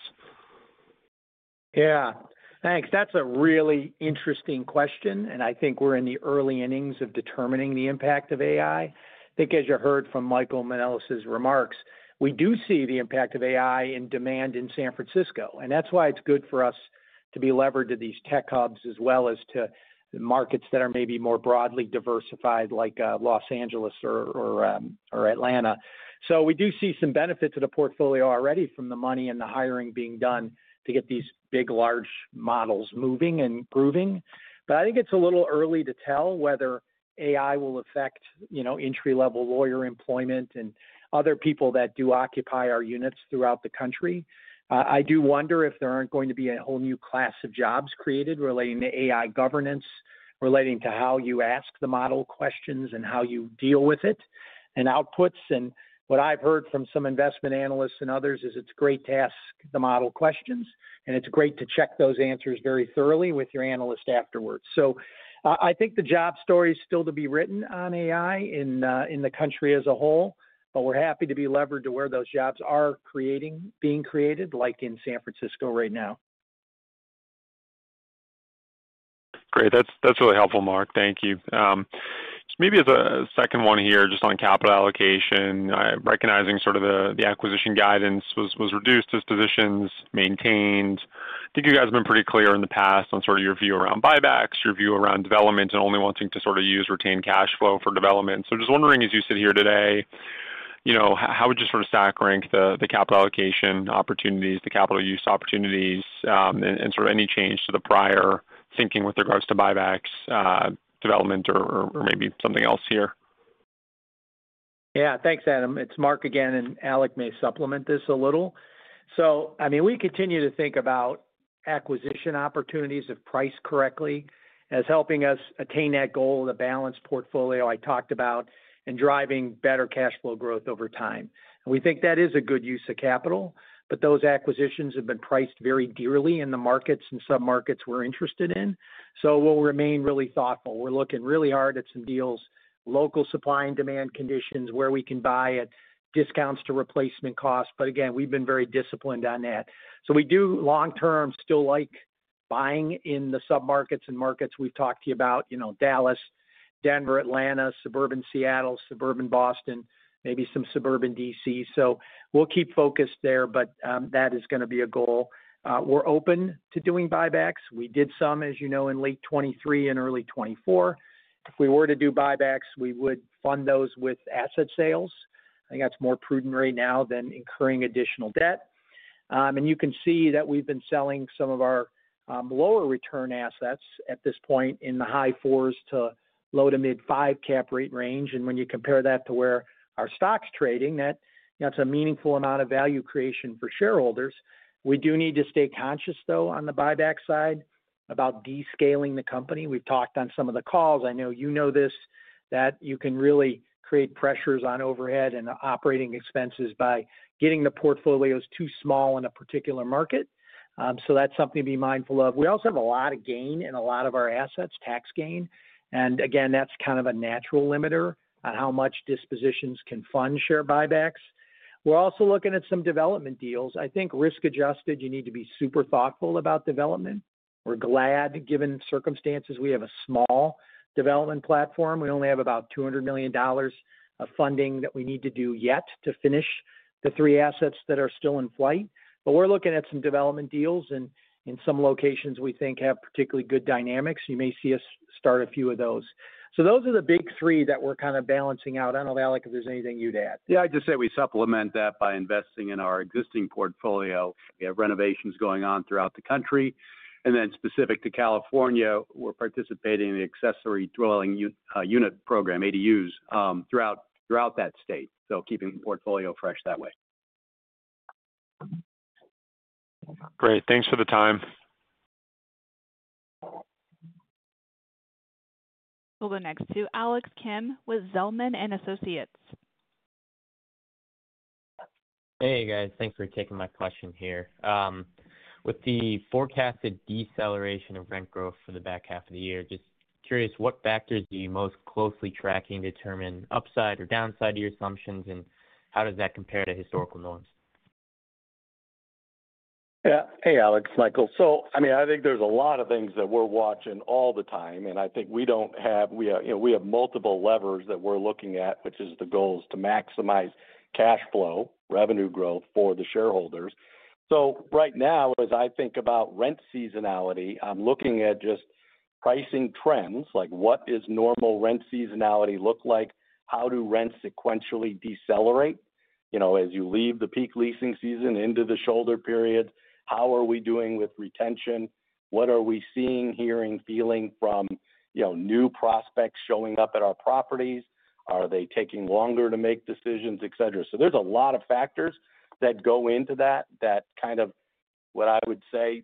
Yeah, thanks. That's a really interesting question and I think we're in the early innings of determining the impact of AI. I think as you heard from Michael Manelis' remarks, we do see the impact of AI and demand in San Francisco and that's why it's good for us to be levered to these tech hubs as well as to markets that are maybe more broadly diversified like Los Angeles or Atlanta. We do see some benefit to the portfolio already from the money and the hiring being done to get these big large models moving and proving. I think it's a little early to tell whether AI will affect, you know, entry level lawyer employment and other people that do occupy our units throughout the country. I do wonder if there aren't going to be a whole new class of jobs created relating to AI governance, relating to how you ask the model questions and how you deal with it and outputs. What I've heard from some investment analysts and others is it's great to ask the model questions and it's great to check those answers very thoroughly with your analyst afterwards. I think the job story is still to be written on AI in the country as a whole, but we're happy to be levered to where those jobs are being created like in San Francisco right now. Great, that's really helpful, Mark. Thank you. Maybe as a second one here just on capital allocation recognizing sort of the acquisition guidance was reduced as positions maintained. I think you guys have been pretty clear in the past on sort of your view around buybacks, your view around development and only wanting to sort of use retained cash flow for development. Just wondering as you sit here today, you know, how would you sort of stack rank the capital allocation opportunities, the capital use opportunities and sort of any change to the prior thinking with regards to buybacks, development or maybe something else here? Yeah, thanks Adam. It's Mark again. Alec may supplement this a little. We continue to think about acquisition opportunities, if priced correctly, as helping us attain that goal in a balanced portfolio I talked about and driving better cash flow growth over time. We think that is a good use of capital. Those acquisitions have been priced very dearly in the markets and submarkets we're interested in. We will remain really thoughtful. We're looking really hard at some deals, local supply and demand conditions where we can buy at discounts to replacement costs. We've been very disciplined on that. We do long term still like buying in the submarkets and markets we've talked to you about, you know, Dallas, Denver, Atlanta, suburban Seattle, suburban Boston, maybe some suburban Washington D.C. We will keep focused there, that is going to be a goal. We're open to doing buybacks. We did some, as you know, in late 2023 and early 2024. If we were to do buybacks, we would fund those with asset sales. I think that's more prudent right now than incurring additional debt. You can see that we've been selling some of our lower return assets at this point in the high fours to low to mid five cap rate range. When you compare that to where our stock's trading, that's a meaningful amount of value creation for shareholders. We do need to stay conscious though on the buyback side about descaling the company. We've talked on some of the calls, I know you know this, that you can really create pressures on overhead and operating expenses by getting the portfolios too small in a particular market. That's something to be mindful of. We also have a lot of gain in a lot of our assets, tax gain, and again that's kind of a natural limiter on how much dispositions can fund share buybacks. We're also looking at some development deals. I think risk adjusted, you need to be super thoughtful about development. We're glad given circumstances we have a small development platform. We only have about $200 million of funding that we need to do yet to finish the three assets that are still in flight. We're looking at some development deals and in some locations we think have particularly good dynamics. You may see us start a few of those. Those are the big three that we're kind of balancing out. I don't know, Alec, if there's anything you'd add. Yeah, I just say we supplement that by investing in our existing portfolio. We have renovations going on throughout the country. Specific to California, we're participating in the accessory dwelling unit program, ADUs, throughout that state. So keeping portfolio fresh that way. Great. Thanks for the time. We'll go next to Alex Kim with Zelman and Associates. Hey, guys, thanks for taking my question here. With the forecasted deceleration of rent growth for the back half of the year, just curious, what factors are you most closely tracking to determine upside or downside of your assumptions, and how does that compare to historical norms? Yeah. Hey, Alex. Michael. I think there's a lot of things that we're watching all the time, and I think we don't have—we have multiple levers that we're looking at, which is the goals to maximize cash flow, revenue growth for the shareholders. Right now, as I think about rent seasonality, I'm looking at just pricing trends. What does normal rent seasonality look like? How do rents sequentially decelerate as you leave the peak leasing season into the shoulder period? How are we doing with retention? What are we seeing, hearing, feeling from new prospects showing up at our properties? Are they taking longer to make decisions, et cetera? There's a lot of factors that go into that, that kind of, what I would say,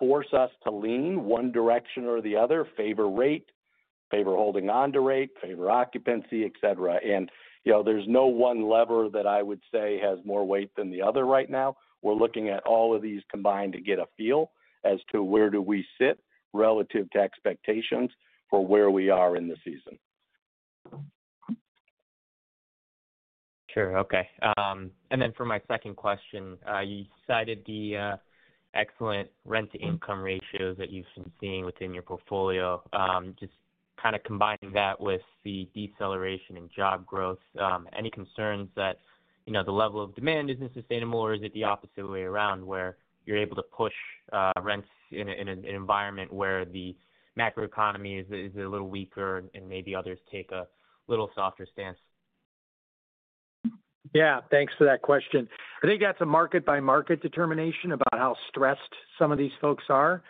force us to lean one direction or the other, favor rate, favor holding on to rate, favor occupancy, et cetera. There's no one lever that I would say has more weight than the other. Right now, we're looking at all of these combined to get a feel as to where do we sit relative to expectations for where we are in the season. Sure. Okay. For my second question, you cited the excellent rent-to-income ratios that you've been seeing within your portfolio. Just kind of combining that with the deceleration in job growth, any concerns that the level of demand isn't sustainable, or is it the opposite way around, where you're able to push rents in an environment where the macro economy is a little weaker and maybe others take a little softer stance? Yeah, thanks for that question. I think that's a market by market determination about how stressed some of these folks are.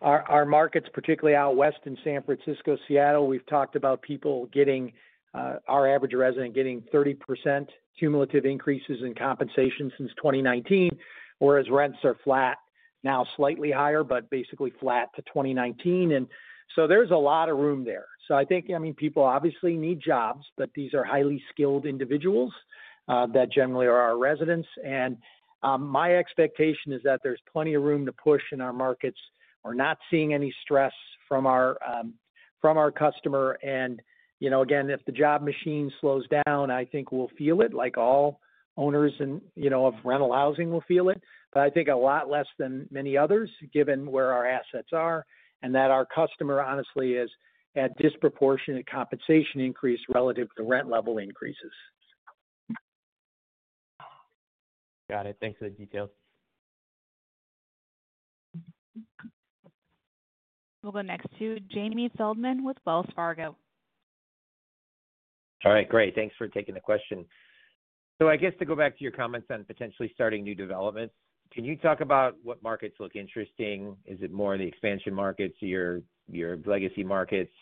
Our markets, particularly out west in San Francisco and Seattle, we've talked about people getting our average resident getting 30% cumulative increases in compensation since 2019, whereas rents are flat now, slightly higher, but basically flat to 2019. There's a lot of room there. I think people obviously need jobs, but these are highly skilled individuals that generally are our residents. My expectation is that there's plenty of room to push in our markets. We're not seeing any stress from our customer. If the job machine slows down, I think we'll feel it, like all owners of rental housing will feel it, but I think a lot less than many others, given where our assets are and that our customer honestly is at disproportionate compensation increase relative to the rent level increases. Got it. Thanks for the details. We'll go next to Jamie Feldman with Wells Fargo. All right, great. Thanks for taking the question. I guess to go back to your comments on potentially starting new development, can you talk about what markets look interesting? Is it more the expansion markets, your legacy markets?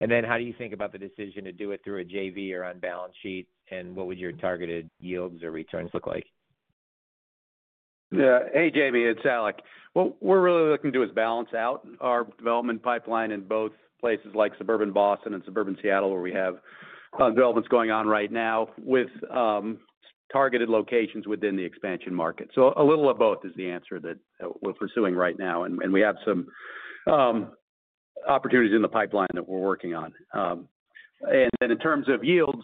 How do you think about the decision to do it through a JV or on balance sheet? What would your targeted yields or returns look like? Hey, Jamie, it's Alec. What we're really looking to do is balance out our development pipeline in both places, like suburban Boston and suburban Seattle, where we have developments going on right now with targeted locations within the expansion market. A little of both is the answer that we're pursuing right now. We have some opportunities in the pipeline that we're working on. In terms of yields,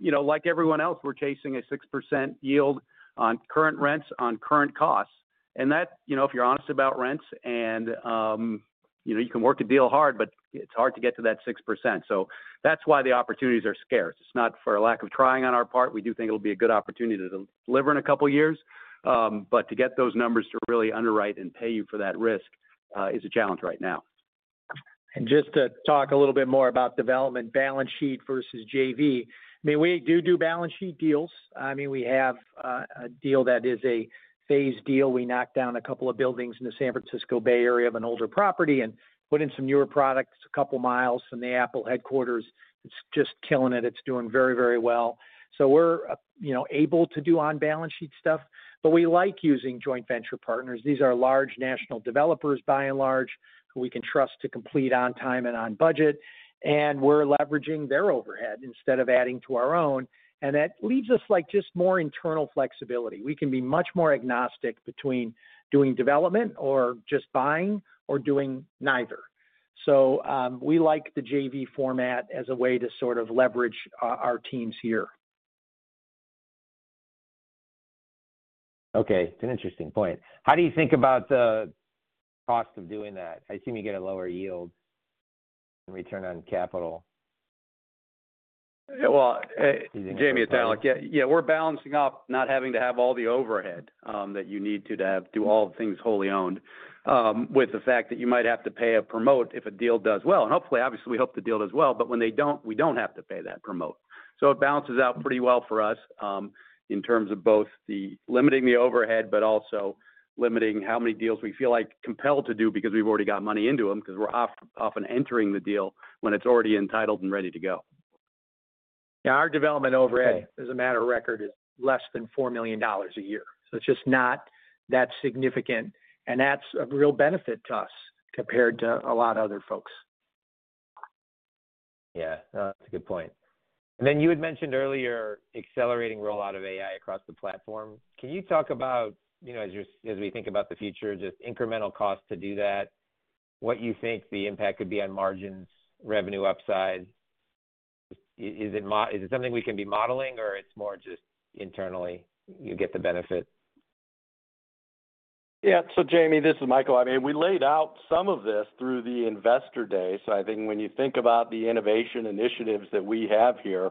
you know, like everyone else, we're chasing a 6% yield on current rents, on current costs. If you're honest about rents and you can work a deal hard, but it's hard to get to that 6%. That's why the opportunities are scarce. It's not for a lack of trying on our part. We do think it'll be a good opportunity to deliver in a couple years. To get those numbers to really underwrite and pay you for that risk is a challenge right now. To talk a little bit more about development, balance sheet versus JV, we do balance sheet deals. We have a deal that is a phase deal. We knocked down a couple of buildings in the San Francisco Bay Area of an older property and put in some newer products a couple miles from the Apple headquarters. It's just killing it. It's doing very, very well. We're able to do on balance sheet stuff, but we like using joint venture partners. These are large national developers, by and large, we can trust to complete on time and on budget. We're leveraging their overhead instead of adding to our own, and that leaves us more internal flexibility. We can be much more agnostic between doing development or just buying or doing neither. We like the JV format as a way to leverage our teams here. Okay, it's an interesting point. How do you think about the cost of doing that? I assume you get a lower yield and return on capital. Jamie, it's Alec. Yeah, we're balancing up not having to have all the overhead that you need to have to do all the things wholly owned with the fact that you might have to pay a promote if a deal does well. Obviously, we hope the deal does well, but when they don't, we don't have to pay that promote. It balances out pretty well for us in terms of both limiting the overhead, but also limiting how many deals we feel like compelled to do because we've already got money into them, because we're often entering the deal when it's already entitled and ready to go. Now, our development overhead, as a matter of record, is less than $4 million a year. It's just not that significant. That's a real benefit to us compared to a lot of other folks. Yeah, that's a good point. You had mentioned earlier, accelerating rollout of AI across the platform. Can you talk about, you know, as we think about the future, just incremental cost to do that, what you think the impact could be on margins, revenue, upside? Is it something we can be modeling or it's more just internally, you get the benefit? Yeah. Jamie, this is Michael. I mean, we laid out some of this through the investor day. I think when you think about the innovation initiatives that we have here,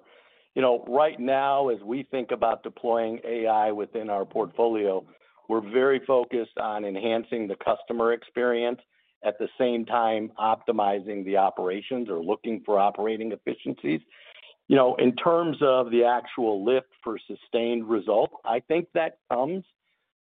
right now, as we think about deploying AI within our portfolio, we're very focused on enhancing the customer experience at the same time optimizing the operations or looking for operating efficiencies. In terms of the actual lift for sustained result, I think that comes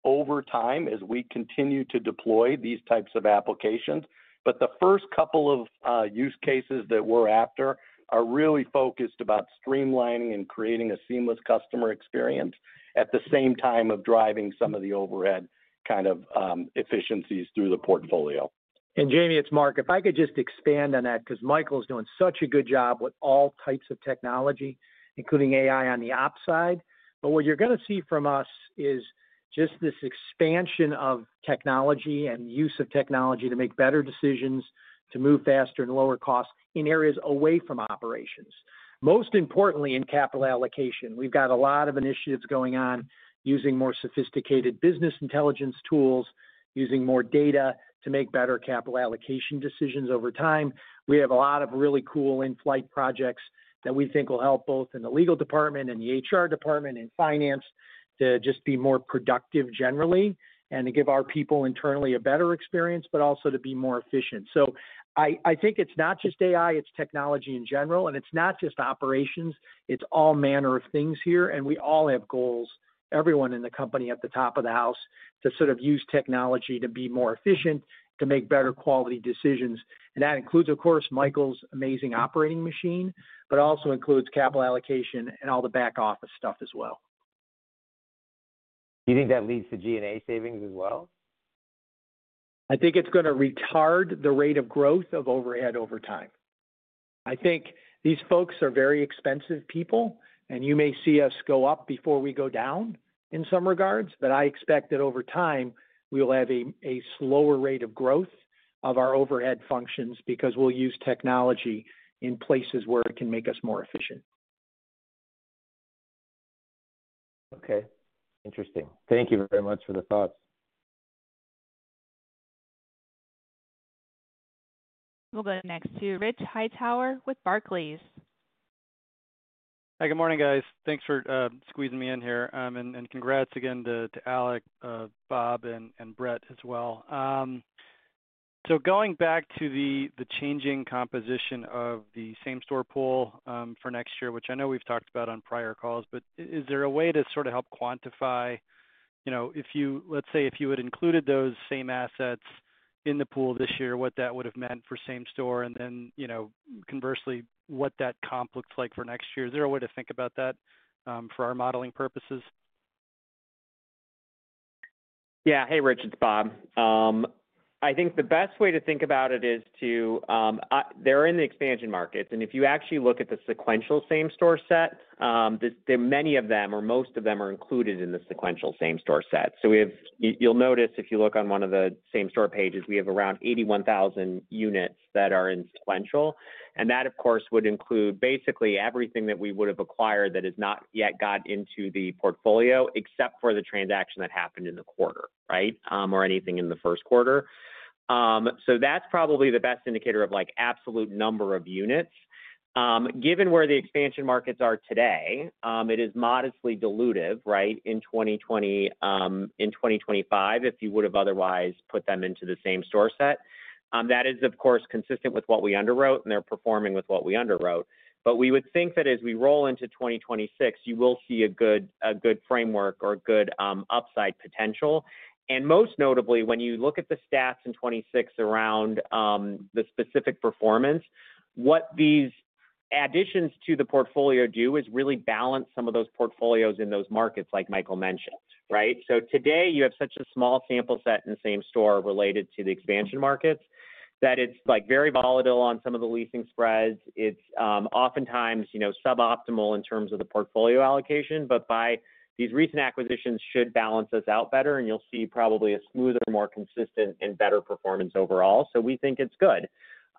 over time as we continue to deploy these types of applications. The first couple of use cases that we're after are really focused on streamlining and creating a seamless customer experience at the same time driving some of the overhead efficiencies through the portfolio. Jamie, it's Mark. If I could just expand on that because Michael's doing such a good job with all types of technology, including AI on the op side. What you're going to see from us is just this expansion of technology and use of technology to make better decisions, to move faster and lower cost in areas away from operations. Most importantly in capital allocation, we've got a lot of initiatives going on using more sophisticated business intelligence tools, using more data to make better capital allocation decisions over time. We have a lot of really cool in-flight projects that we think will help both in the Legal Department and the HR Department and Finance to just be more productive generally and to give our people internally a better experience, but also to be more efficient. I think it's not just AI, it's technology in general and it's not just operations. It's all manner of things here. We all have goals, everyone in the company at the top of the house, to sort of use technology to be more efficient, to make better quality decisions. That includes, of course, Michael's amazing operating machine, but also includes capital allocation and all the back office stuff as well. You think that leads to G&A savings as well? I think it's going to retard the rate of growth of overhead over time. I think these folks are very expensive people, and you may see us go up before we go down in some regards. I expect that over time we will have a slower rate of growth of our overhead functions because we'll use technology in places where it can make us more efficient. Okay, interesting. Thank you very much for the thoughts. We'll go next to Rich Hightower with Barclays. Hi, good morning, guys. Thanks for squeezing me in here. Congrats again to Alec, Bob, and Brett as well. Going back to the changing composition of the same store pool for next year, which I know we've talked about on prior call, is there a way to sort of help quantify you? If you, let's say if you had included those same assets in the pool this year, what that would have meant for same store and then you conversely, what that comp looks like for next year? Is there a way to think about it that for our modeling purposes? Yeah. Hey, Rich, it's Bob. I think the best way to think about it is they're in the expansion markets, and if you actually look at the sequential same store set, many of them or most of them are included in the sequential same store set. You'll notice if you look on one of the same store pages, we have around 81,000 units that are in sequential. That, of course, would include basically everything that we would have acquired that has not yet got into the portfolio except for the transaction that happened in the quarter or anything in the first quarter. That's probably the best indicator of absolute number of units, given where the expansion markets are today. It is modestly dilutive. In 2025, if you would have otherwise put them into the same store set, that is, of course, consistent with what we underwrote, and they're performing with what we underwrote. We would think that as we roll into 2026, you will see a good framework or good upside potential. Most notably, when you look at the stats in 2026 around the specific performance, what these additions to the portfolio do is really balance some of those portfolios in those markets, like Michael mentioned. Today you have such a small sample set in the same store related to the expansion markets that it's very volatile on some of the leasing spreads. It's oftentimes suboptimal in terms of the portfolio allocation. These recent acquisitions should balance us out better, and you'll see probably a smoother, more consistent, and better performance overall. We think it's good.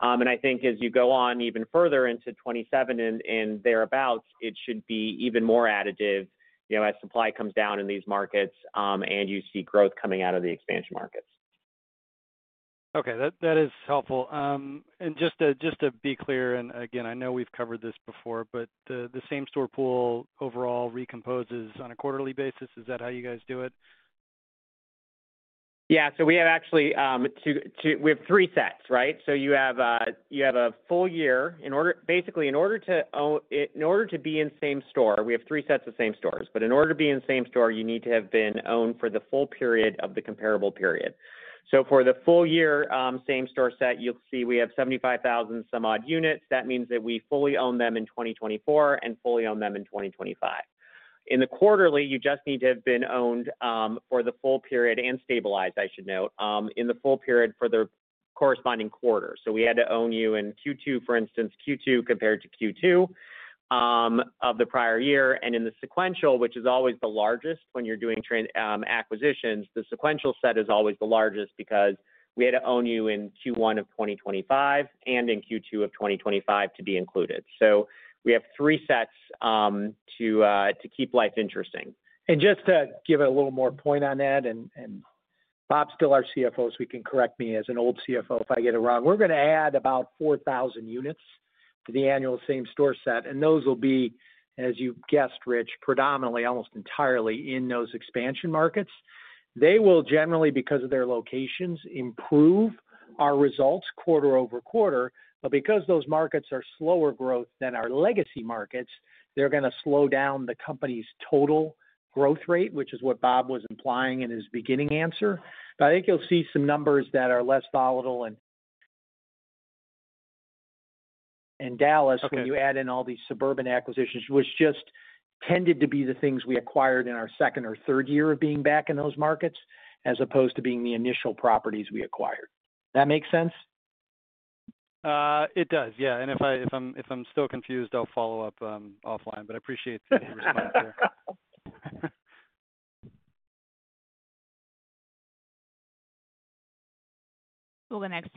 I think as you go on even further into 2027 and thereabouts, it should be even more additive as supply comes down in these markets and you see growth coming out of the expansion markets. Okay, that is helpful. Just to be clear, I know we've covered this before, but the same store pool overall recomposes on a quarterly basis. Is that how you guys do it? Yeah. We have actually two. We have three sets, right? You have a full year in order. Basically, in order to own, in order to be in same store, we have three sets of same stores, but in order to be in same store, you need to have been owned for the full period of the comparable period. For the full year same store set, you'll see we have 75,000 some odd units. That means that we fully own them in 2024 and fully own them in 2025. In the quarterly, you just need to have been owned for the full period and stabilized, I should note, in the full period for the corresponding quarter. We had to own you in Q2, for instance, Q2 compared to Q2 of the prior year. In the sequential, which is always the largest when you're doing acquisitions, the sequential set is always the largest because we had to own you in Q1 of 2025 and in Q2 of 2025 to be included. We have three sets to keep. Life interesting and just to give it a little more point on that. Bob is still our CFO, so he can correct me as an old CFO if I get it wrong. We're going to add about 4,000 units to the annual same store set, and those will be, as you guessed, Rich, predominantly, almost entirely in those expansion markets. They will generally, because of their locations, improve our results quarter over quarter. Because those markets are slower growth than our legacy markets, they're going to slow down the company's total growth rate, which is what Bob was implying in his beginning answer. I think you'll see some numbers that are less volatile. And. Dallas, when you add in all these suburban acquisitions, which just tended to be the things we acquired in our second or third year of being back in those markets as opposed to being the initial properties we acquired, that makes sense? It does, yeah. If I'm still confused, I'll follow up offline. I appreciate it.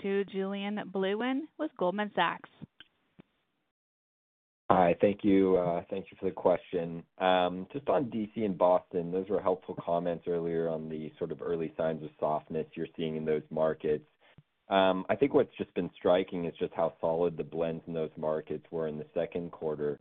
You. Julien Blouin with Goldman Sachs. Hi, thank you. Thank you for the question. Just on Washington D.C. and Boston, those were helpful comments earlier on the sort of early signs of softness you're seeing in those markets. I think what's just been striking is just how solid the blends in those markets were in the second quarter.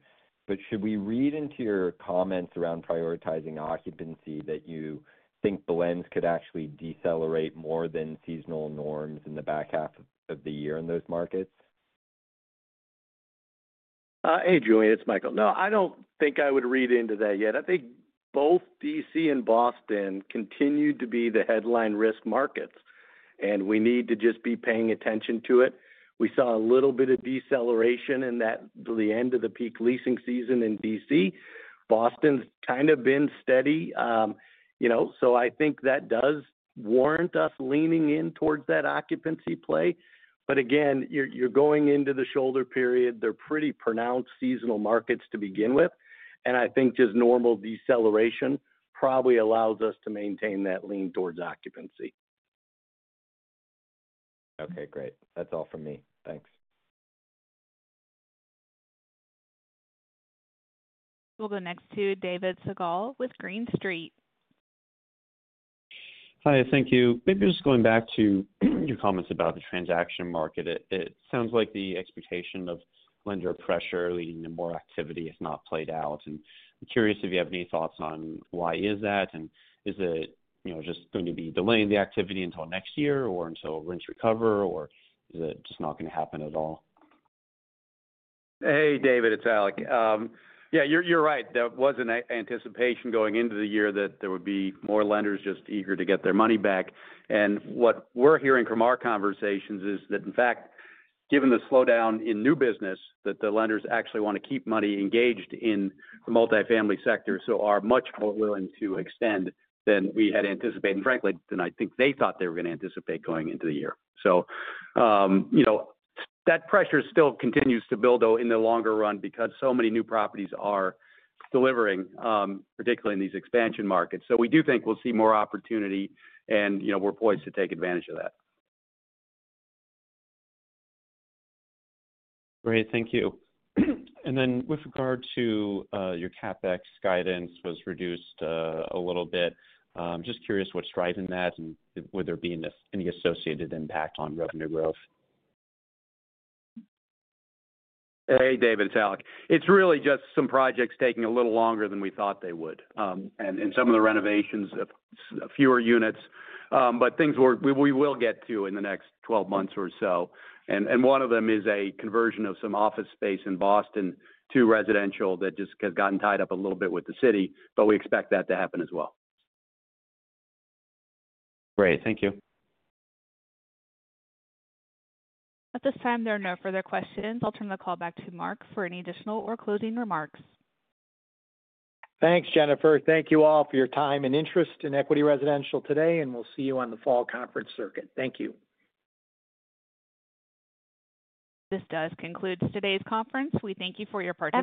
Should we read into your comments around prioritizing occupancy that you think blends could actually decelerate more than seasonal norms in the back half of the year in those markets? Hey, Julien, it's Michael. No, I don't think I would read into that yet. I think both Washington D.C. and Boston continue to be the headline risk markets and we need to just be paying attention to it. We saw a little bit of deceleration at the end of the peak leasing season in Washington D.C. Boston's kind of been steady, you know, so I think that does warrant us leaning in towards that occupancy play. You're going into the shoulder period. They're pretty pronounced seasonal markets to begin with. I think just normal deceleration probably allows us to maintain that lean towards occupancy. Okay, great. That's all from me. Thanks. We'll go next to David Segall with Green Street. Hi, thank you. Maybe just going back to your comments about the transaction market, it sounds like the expectation of lender pressure leading to more activity has not played out. Do you have any thoughts on why is that? Is it just going to be delaying the activity until next year or until rents recover, or is it just not going to happen at all? Hey, David, it's Alec. Yeah, you're right. That was an anticipation going into the year that there would be more lenders just eager to get their money back. What we're hearing from our conversations is that, in fact, given the slowdown in new business, the lenders actually want to keep money engaged in the multifamily sector. They are much more willing to extend than we had anticipated, frankly, than I think they thought they were going to anticipate going into the year. That pressure still continues to build, though, in the longer run because so many new properties are delivering, particularly in these expansion markets. We do think we'll see more opportunity and we're poised to take advantage of that. Great, thank you. With regard to your CapEx guidance, it was reduced a little bit. Just curious what's driving that and would there be any associated impact on revenue growth? Hey, David, it's Alec. It's really just some projects taking a little longer than we thought they would and some of the renovations, fewer units, but things we will get to in the next 12 months or so. One of them is a conversion of some office space in Boston to residential. That just got tied up a little bit with the city, but we expect that to happen as well. Great. Thank you. At this time, there are no further questions. I'll turn the call back to Mark for any additional or closing remarks. Thanks, Jennifer. Thank you all for your time and interest in Equity Residential today, and we'll see you on the fall conference circuit. Thank you. This does conclude today's conference. We thank you for your participation.